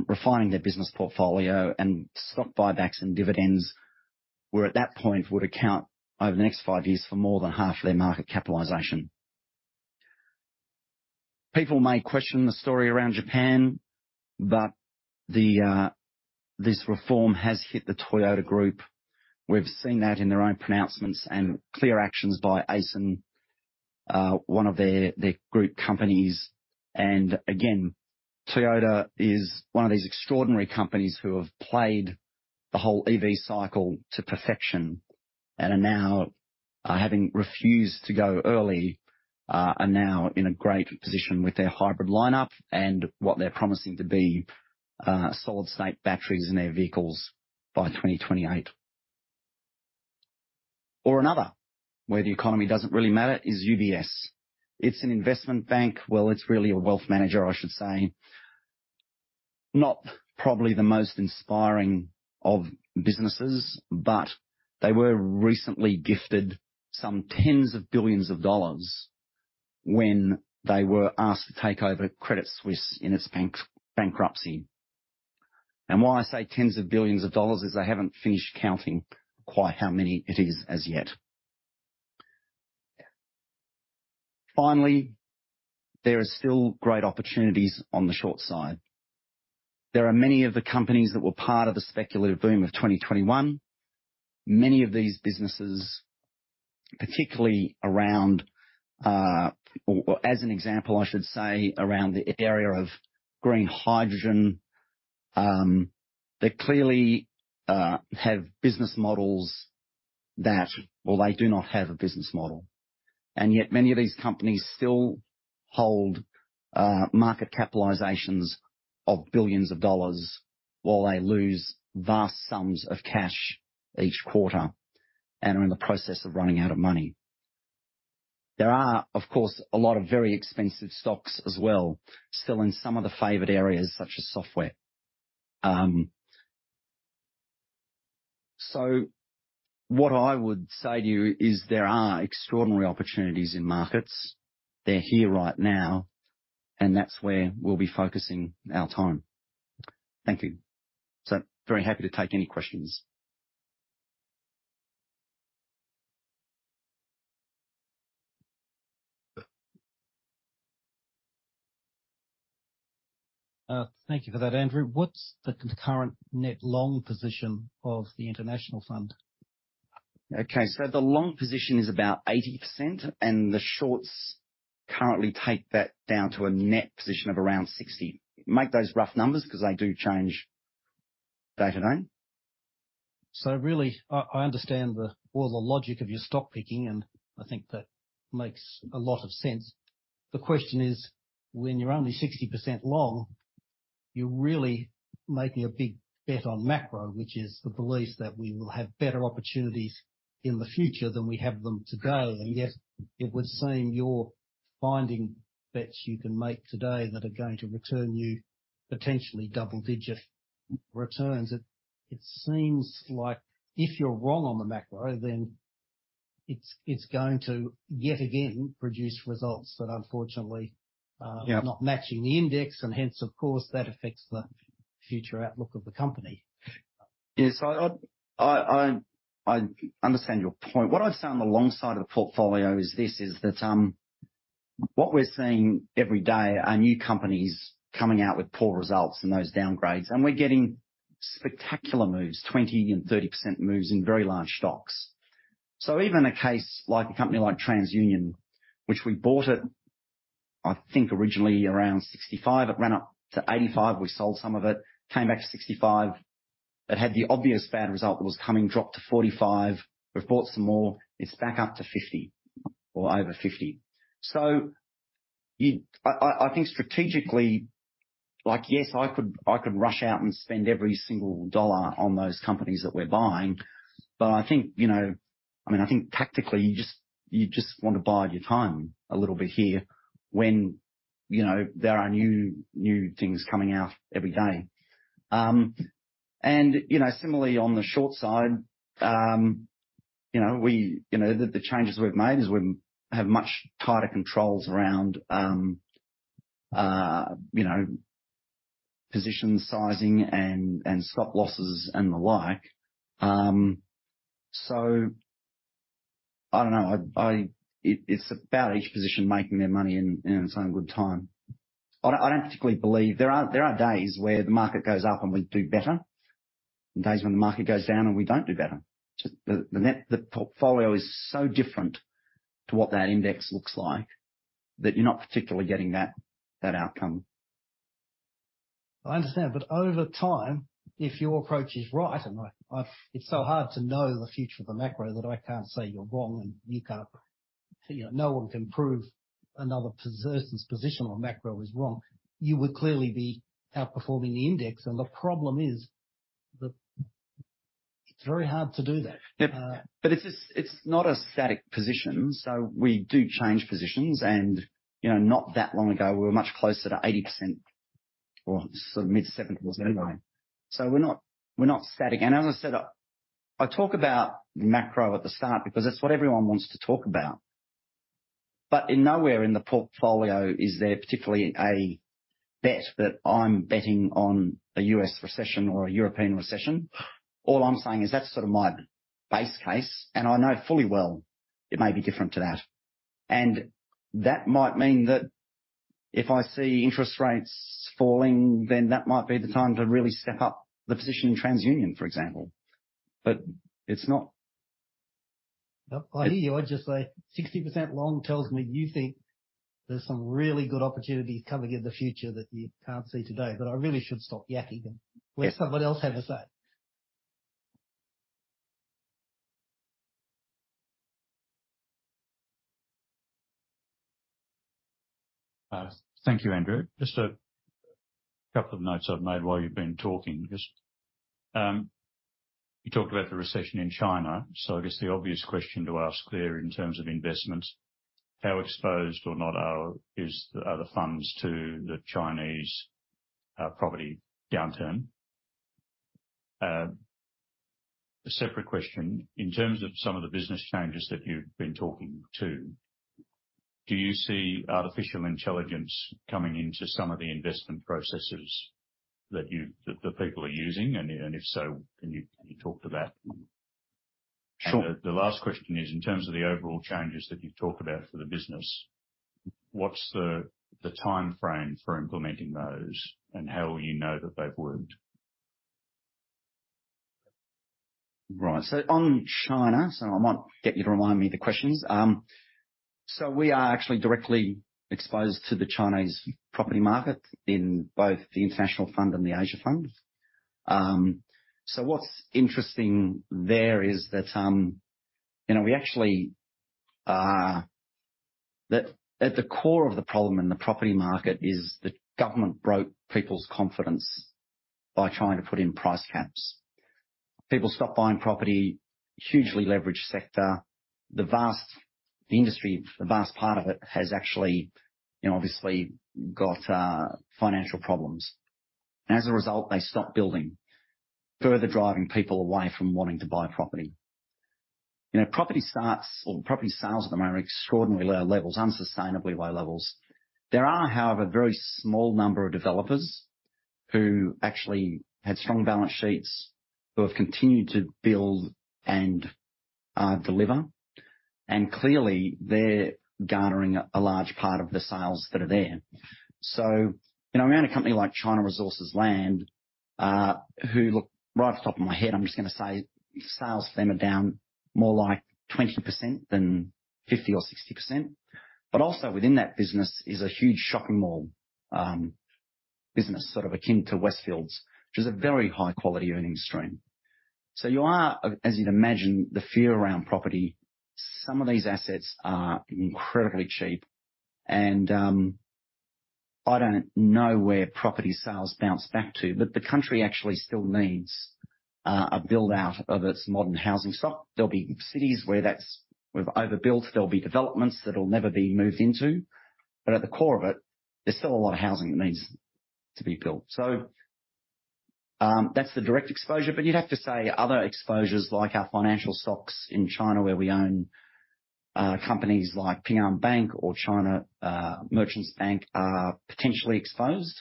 refining their business portfolio and stock buybacks and dividends, where at that point would account over the next five years for more than half of their market capitalization. People may question the story around Japan, but the, this reform has hit the Toyota Group. We've seen that in their own pronouncements and clear actions by Aisin, one of their, their group companies. And again, Toyota is one of these extraordinary companies who have played the whole EV cycle to perfection and are now, having refused to go early, are now in a great position with their hybrid lineup and what they're promising to be, solid state batteries in their vehicles by 2028. Or another, where the economy doesn't really matter is UBS. It's an investment bank. Well, it's really a wealth manager, I should say. Not probably the most inspiring of businesses, but they were recently gifted some tens of billions of dollars when they were asked to take over Credit Suisse in its bankruptcy. And why I say tens of billions of dollars is I haven't finished counting quite how many it is as yet. Finally, there are still great opportunities on the short side. There are many of the companies that were part of the speculative boom of 2021. Many of these businesses, particularly around, or as an example, I should say, around the area of green hydrogen, they clearly have business models that... Well, they do not have a business model, and yet many of these companies still hold market capitalizations of billions of dollars while they lose vast sums of cash each quarter and are in the process of running out of money. There are, of course, a lot of very expensive stocks as well, still in some of the favored areas, such as software. So what I would say to you is there are extraordinary opportunities in markets. They're here right now, and that's where we'll be focusing our time. Thank you. So very happy to take any questions. Thank you for that, Andrew. What's the current net long position of the International Fund? Okay, so the long position is about 80%, and the shorts currently take that down to a net position of around 60%. Make those rough numbers because they do change day to day. So really, I understand the... Well, the logic of your stock picking, and I think that makes a lot of sense. The question is, when you're only 60% long, you're really making a big bet on macro, which is the belief that we will have better opportunities in the future than we have them today. And yet it would seem you're finding bets you can make today that are going to return you potentially double-digit returns. It seems like if you're wrong on the macro, then it's going to, yet again, produce results that unfortunately, Yeah. are not matching the index, and hence, of course, that affects the future outlook of the company. Yes, I understand your point. What I've found alongside of the portfolio is this, is that what we're seeing every day are new companies coming out with poor results and those downgrades, and we're getting spectacular moves, 20% and 30% moves in very large stocks. So even a case like a company like TransUnion, which we bought it, I think originally around 65, it ran up to 85. We sold some of it, came back to 65. It had the obvious bad result that was coming, dropped to 45. We've bought some more. It's back up to 50 or over 50. So-... I think strategically, like, yes, I could rush out and spend every single dollar on those companies that we're buying, but I think, you know, I mean, I think tactically, you just want to bide your time a little bit here when, you know, there are new things coming out every day. And, you know, similarly, on the short side, you know, the changes we've made is we have much tighter controls around, you know, position sizing and stop losses and the like. So I don't know. It's about each position making their money in its own good time. I don't particularly believe. There are days where the market goes up, and we do better, and days when the market goes down, and we don't do better. Just the net, the portfolio is so different to what that index looks like that you're not particularly getting that outcome. I understand, but over time, if your approach is right, and I. It's so hard to know the future of the macro that I can't say you're wrong, and you can't, you know, no one can prove another person's position on macro is wrong. You would clearly be outperforming the index, and the problem is that it's very hard to do that. Yep, but it's just, it's not a static position, so we do change positions and, you know, not that long ago, we were much closer to 80% or mid-70s anyway. So we're not, we're not static. And as I said, I talk about macro at the start because that's what everyone wants to talk about. But in nowhere in the portfolio is there particularly a bet that I'm betting on a U.S. recession or a European recession. All I'm saying is that's sort of my base case, and I know fully well it may be different to that. And that might mean that if I see interest rates falling, then that might be the time to really step up the position in TransUnion, for example. But it's not- I hear you. I'd just say 60% long tells me you think there's some really good opportunities coming in the future that you can't see today, but I really should stop yakking and let someone else have a say. Thank you, Andrew. Just a couple of notes I've made while you've been talking. Just, you talked about the recession in China, so I guess the obvious question to ask there in terms of investment, how exposed or not are the funds to the Chinese property downturn? A separate question, in terms of some of the business changes that you've been talking to, do you see artificial intelligence coming into some of the investment processes that you've that people are using? And if so, can you talk to that? Sure. The last question is, in terms of the overall changes that you've talked about for the business, what's the timeframe for implementing those, and how will you know that they've worked? Right. So on China, so I might get you to remind me the questions. So we are actually directly exposed to the Chinese property market in both the International Fund and the Asia Fund. So what's interesting there is that, you know, we actually, that at the core of the problem in the property market is the government broke people's confidence by trying to put in price caps. People stopped buying property, hugely leveraged sector. The vast industry, the vast part of it has actually, you know, obviously got, financial problems. As a result, they stopped building, further driving people away from wanting to buy property. You know, property starts or property sales at the moment are extraordinarily low levels, unsustainably low levels. There are, however, a very small number of developers who actually had strong balance sheets, who have continued to build and, deliver, and clearly, they're garnering a large part of the sales that are there. So, you know, around a company like China Resources Land, who look, right off the top of my head, I'm just gonna say sales to them are down more like 20% than 50% or 60%. But also within that business is a huge shopping mall, business, sort of akin to Westfield, which is a very high-quality earnings stream. So you are, as you'd imagine, the fear around property, some of these assets are incredibly cheap, and, I don't know where property sales bounce back to, but the country actually still needs, a build-out of its modern housing stock. There'll be cities where that's we've overbuilt, there'll be developments that'll never be moved into, but at the core of it, there's still a lot of housing that needs to be built. So, that's the direct exposure, but you'd have to say other exposures, like our financial stocks in China, where we own, companies like Ping An Bank or China Merchants Bank, are potentially exposed,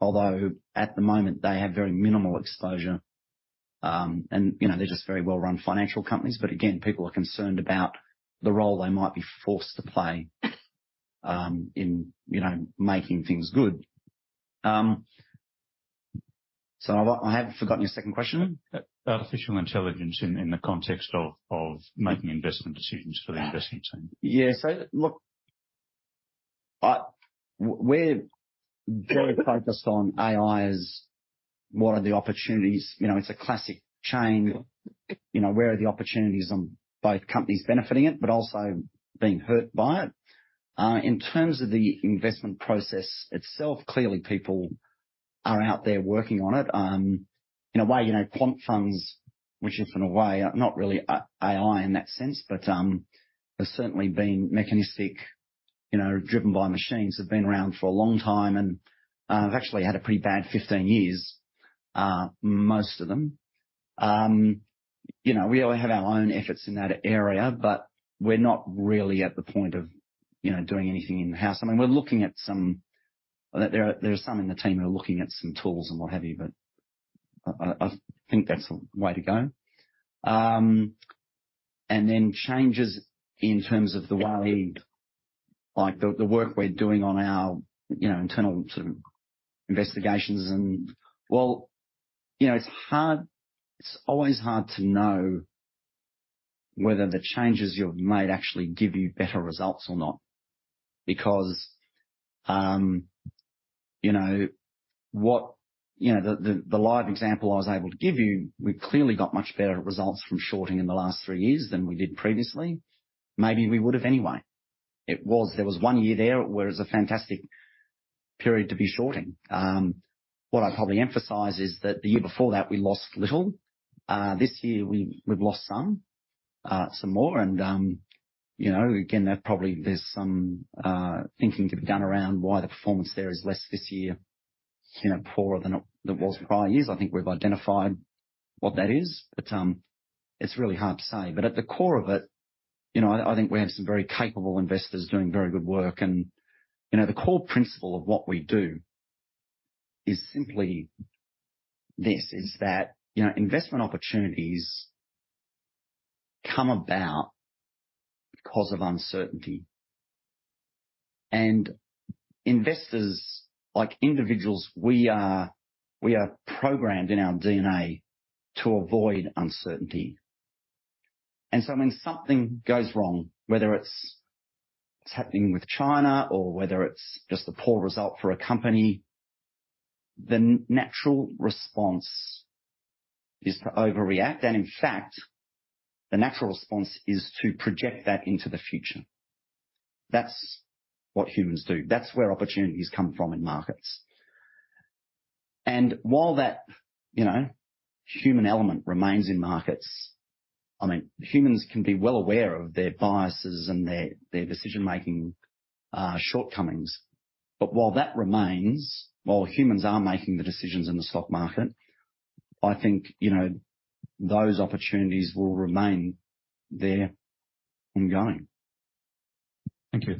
although at the moment, they have very minimal exposure. And, you know, they're just very well-run financial companies, but again, people are concerned about the role they might be forced to play, in, you know, making things good. So I, I have forgotten your second question? Artificial intelligence in the context of making investment decisions for the investment team. Yeah. So look, we're very focused on AI. What are the opportunities? You know, it's a classic chain. You know, where are the opportunities on both companies benefiting it, but also being hurt by it? In terms of the investment process itself, clearly people are out there working on it. In a way, you know, quant funds, which is in a way, not really AI in that sense, but have certainly been mechanistic, you know, driven by machines, have been around for a long time and have actually had a pretty bad 15 years, most of them. You know, we only have our own efforts in that area, but we're not really at the point of, you know, doing anything in-house. I mean, we're looking at some... There are some in the team who are looking at some tools and what have you, but I think that's the way to go. And then changes in terms of the way, like, the work we're doing on our, you know, internal sort of investigations and well, you know, it's hard. It's always hard to know whether the changes you've made actually give you better results or not. Because, you know what. You know, the live example I was able to give you, we've clearly got much better results from shorting in the last three years than we did previously. Maybe we would have anyway. It was, there was one year there where it was a fantastic period to be shorting. What I'd probably emphasize is that the year before that, we lost little. This year, we've lost some more and, you know, again, that probably there's some thinking to be done around why the performance there is less this year, you know, poorer than it was in prior years. I think we've identified what that is, but it's really hard to say. But at the core of it, you know, I think we have some very capable investors doing very good work. And, you know, the core principle of what we do is simply this, is that, you know, investment opportunities come about because of uncertainty. And investors, like individuals, we are programmed in our DNA to avoid uncertainty. And so when something goes wrong, whether it's happening with China or whether it's just a poor result for a company, the natural response is to overreact, and in fact, the natural response is to project that into the future. That's what humans do. That's where opportunities come from in markets. And while that, you know, human element remains in markets, I mean, humans can be well aware of their biases and their decision-making shortcomings. But while that remains, while humans are making the decisions in the stock market, I think, you know, those opportunities will remain there ongoing. Thank you.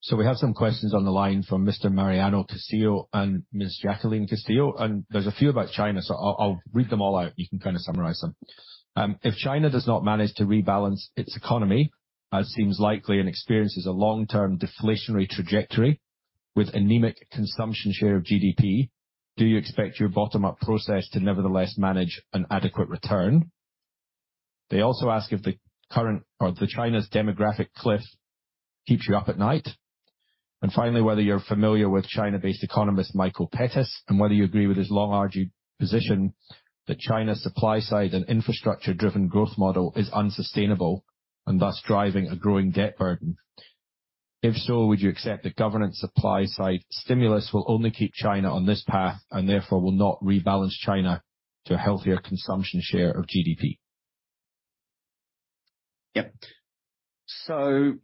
So we have some questions on the line from Mr. Mariano Casillo and Ms. Jacqueline Casillo, and there's a few about China, so I'll read them all out. You can kind of summarize them. If China does not manage to rebalance its economy, as seems likely, and experiences a long-term deflationary trajectory with anemic consumption share of GDP, do you expect your bottom-up process to nevertheless manage an adequate return? They also ask if the current or the China's demographic cliff keeps you up at night, and finally, whether you're familiar with China-based economist Michael Pettis, and whether you agree with his long-argued position that China's supply side and infrastructure-driven growth model is unsustainable and thus driving a growing debt burden. If so, would you accept that government supply-side stimulus will only keep China on this path and therefore will not rebalance China to a healthier consumption share of GDP? Yep. So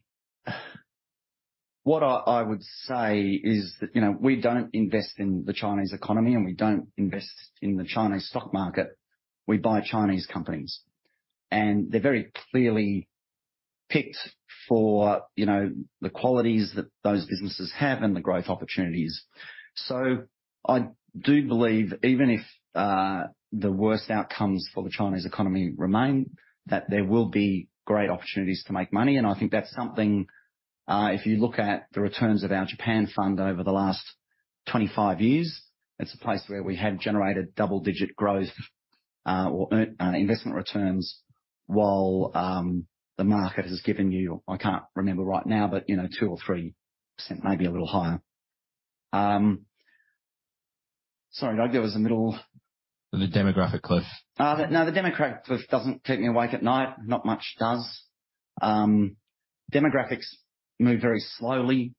what I would say is that, you know, we don't invest in the Chinese economy, and we don't invest in the Chinese stock market. We buy Chinese companies, and they're very clearly picked for, you know, the qualities that those businesses have and the growth opportunities. So I do believe, even if the worst outcomes for the Chinese economy remain, that there will be great opportunities to make money, and I think that's something if you look at the returns of our Japan fund over the last 25 years, it's a place where we have generated double-digit growth or investment returns, while the market has given you, I can't remember right now, but, you know, 2 or 3%, maybe a little higher. Sorry, Doug, there was a middle- The demographic cliff. No, the demographic cliff doesn't keep me awake at night. Not much does. Demographics move very slowly.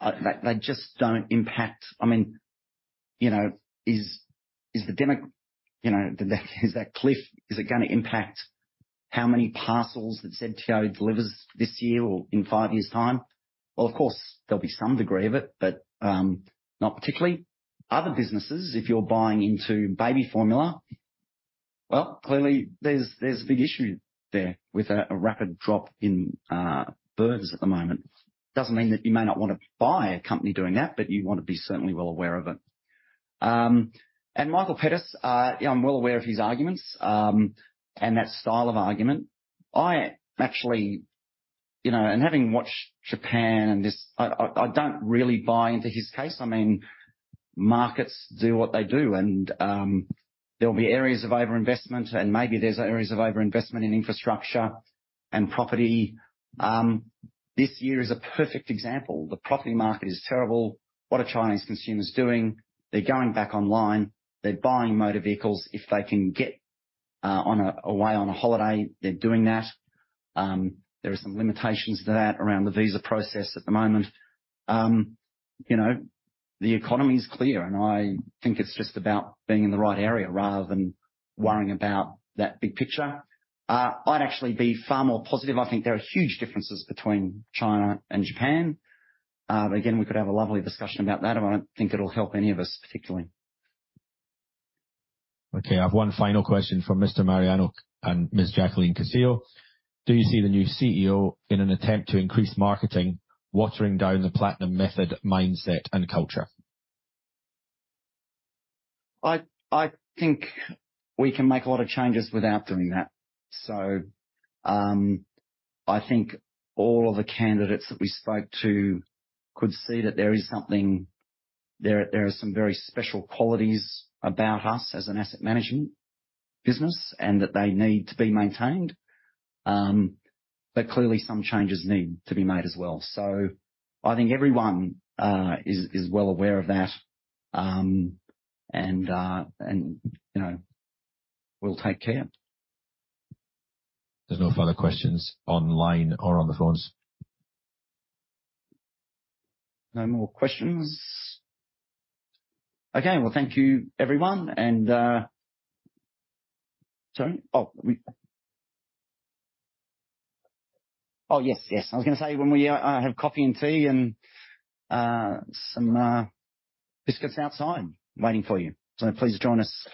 They just don't impact... I mean, you know, is the... You know, did that is that cliff, is it gonna impact how many parcels that ZTO delivers this year or in five years' time? Well, of course, there'll be some degree of it, but, not particularly. Other businesses, if you're buying into baby formula, well, clearly there's, there's a big issue there with a, a rapid drop in, births at the moment. Doesn't mean that you may not want to buy a company doing that, but you'd want to be certainly well aware of it. And Michael Pettis, yeah, I'm well aware of his arguments, and that style of argument. I actually-... You know, and having watched Japan and this, I don't really buy into his case. I mean, markets do what they do, and there'll be areas of overinvestment, and maybe there's areas of overinvestment in infrastructure and property. This year is a perfect example. The property market is terrible. What are Chinese consumers doing? They're going back online. They're buying motor vehicles. If they can get away on a holiday, they're doing that. There are some limitations to that around the visa process at the moment. You know, the economy is clear, and I think it's just about being in the right area rather than worrying about that big picture. I'd actually be far more positive. I think there are huge differences between China and Japan. But again, we could have a lovely discussion about that, and I don't think it'll help any of us particularly. Okay, I have one final question from Mr. Mariano and Ms. Jacqueline Casillo. Do you see the new CEO in an attempt to increase marketing, watering down the Platinum method, mindset, and culture? I think we can make a lot of changes without doing that. So, I think all of the candidates that we spoke to could see that there is something there, there are some very special qualities about us as an asset management business and that they need to be maintained. But clearly, some changes need to be made as well. So I think everyone is well aware of that, and, you know, we'll take care. There's no further questions online or on the phones. No more questions? Okay, well, thank you, everyone, and... Sorry. Oh, yes, yes. I was gonna say, when we have coffee and tea and some biscuits outside waiting for you, so please join us.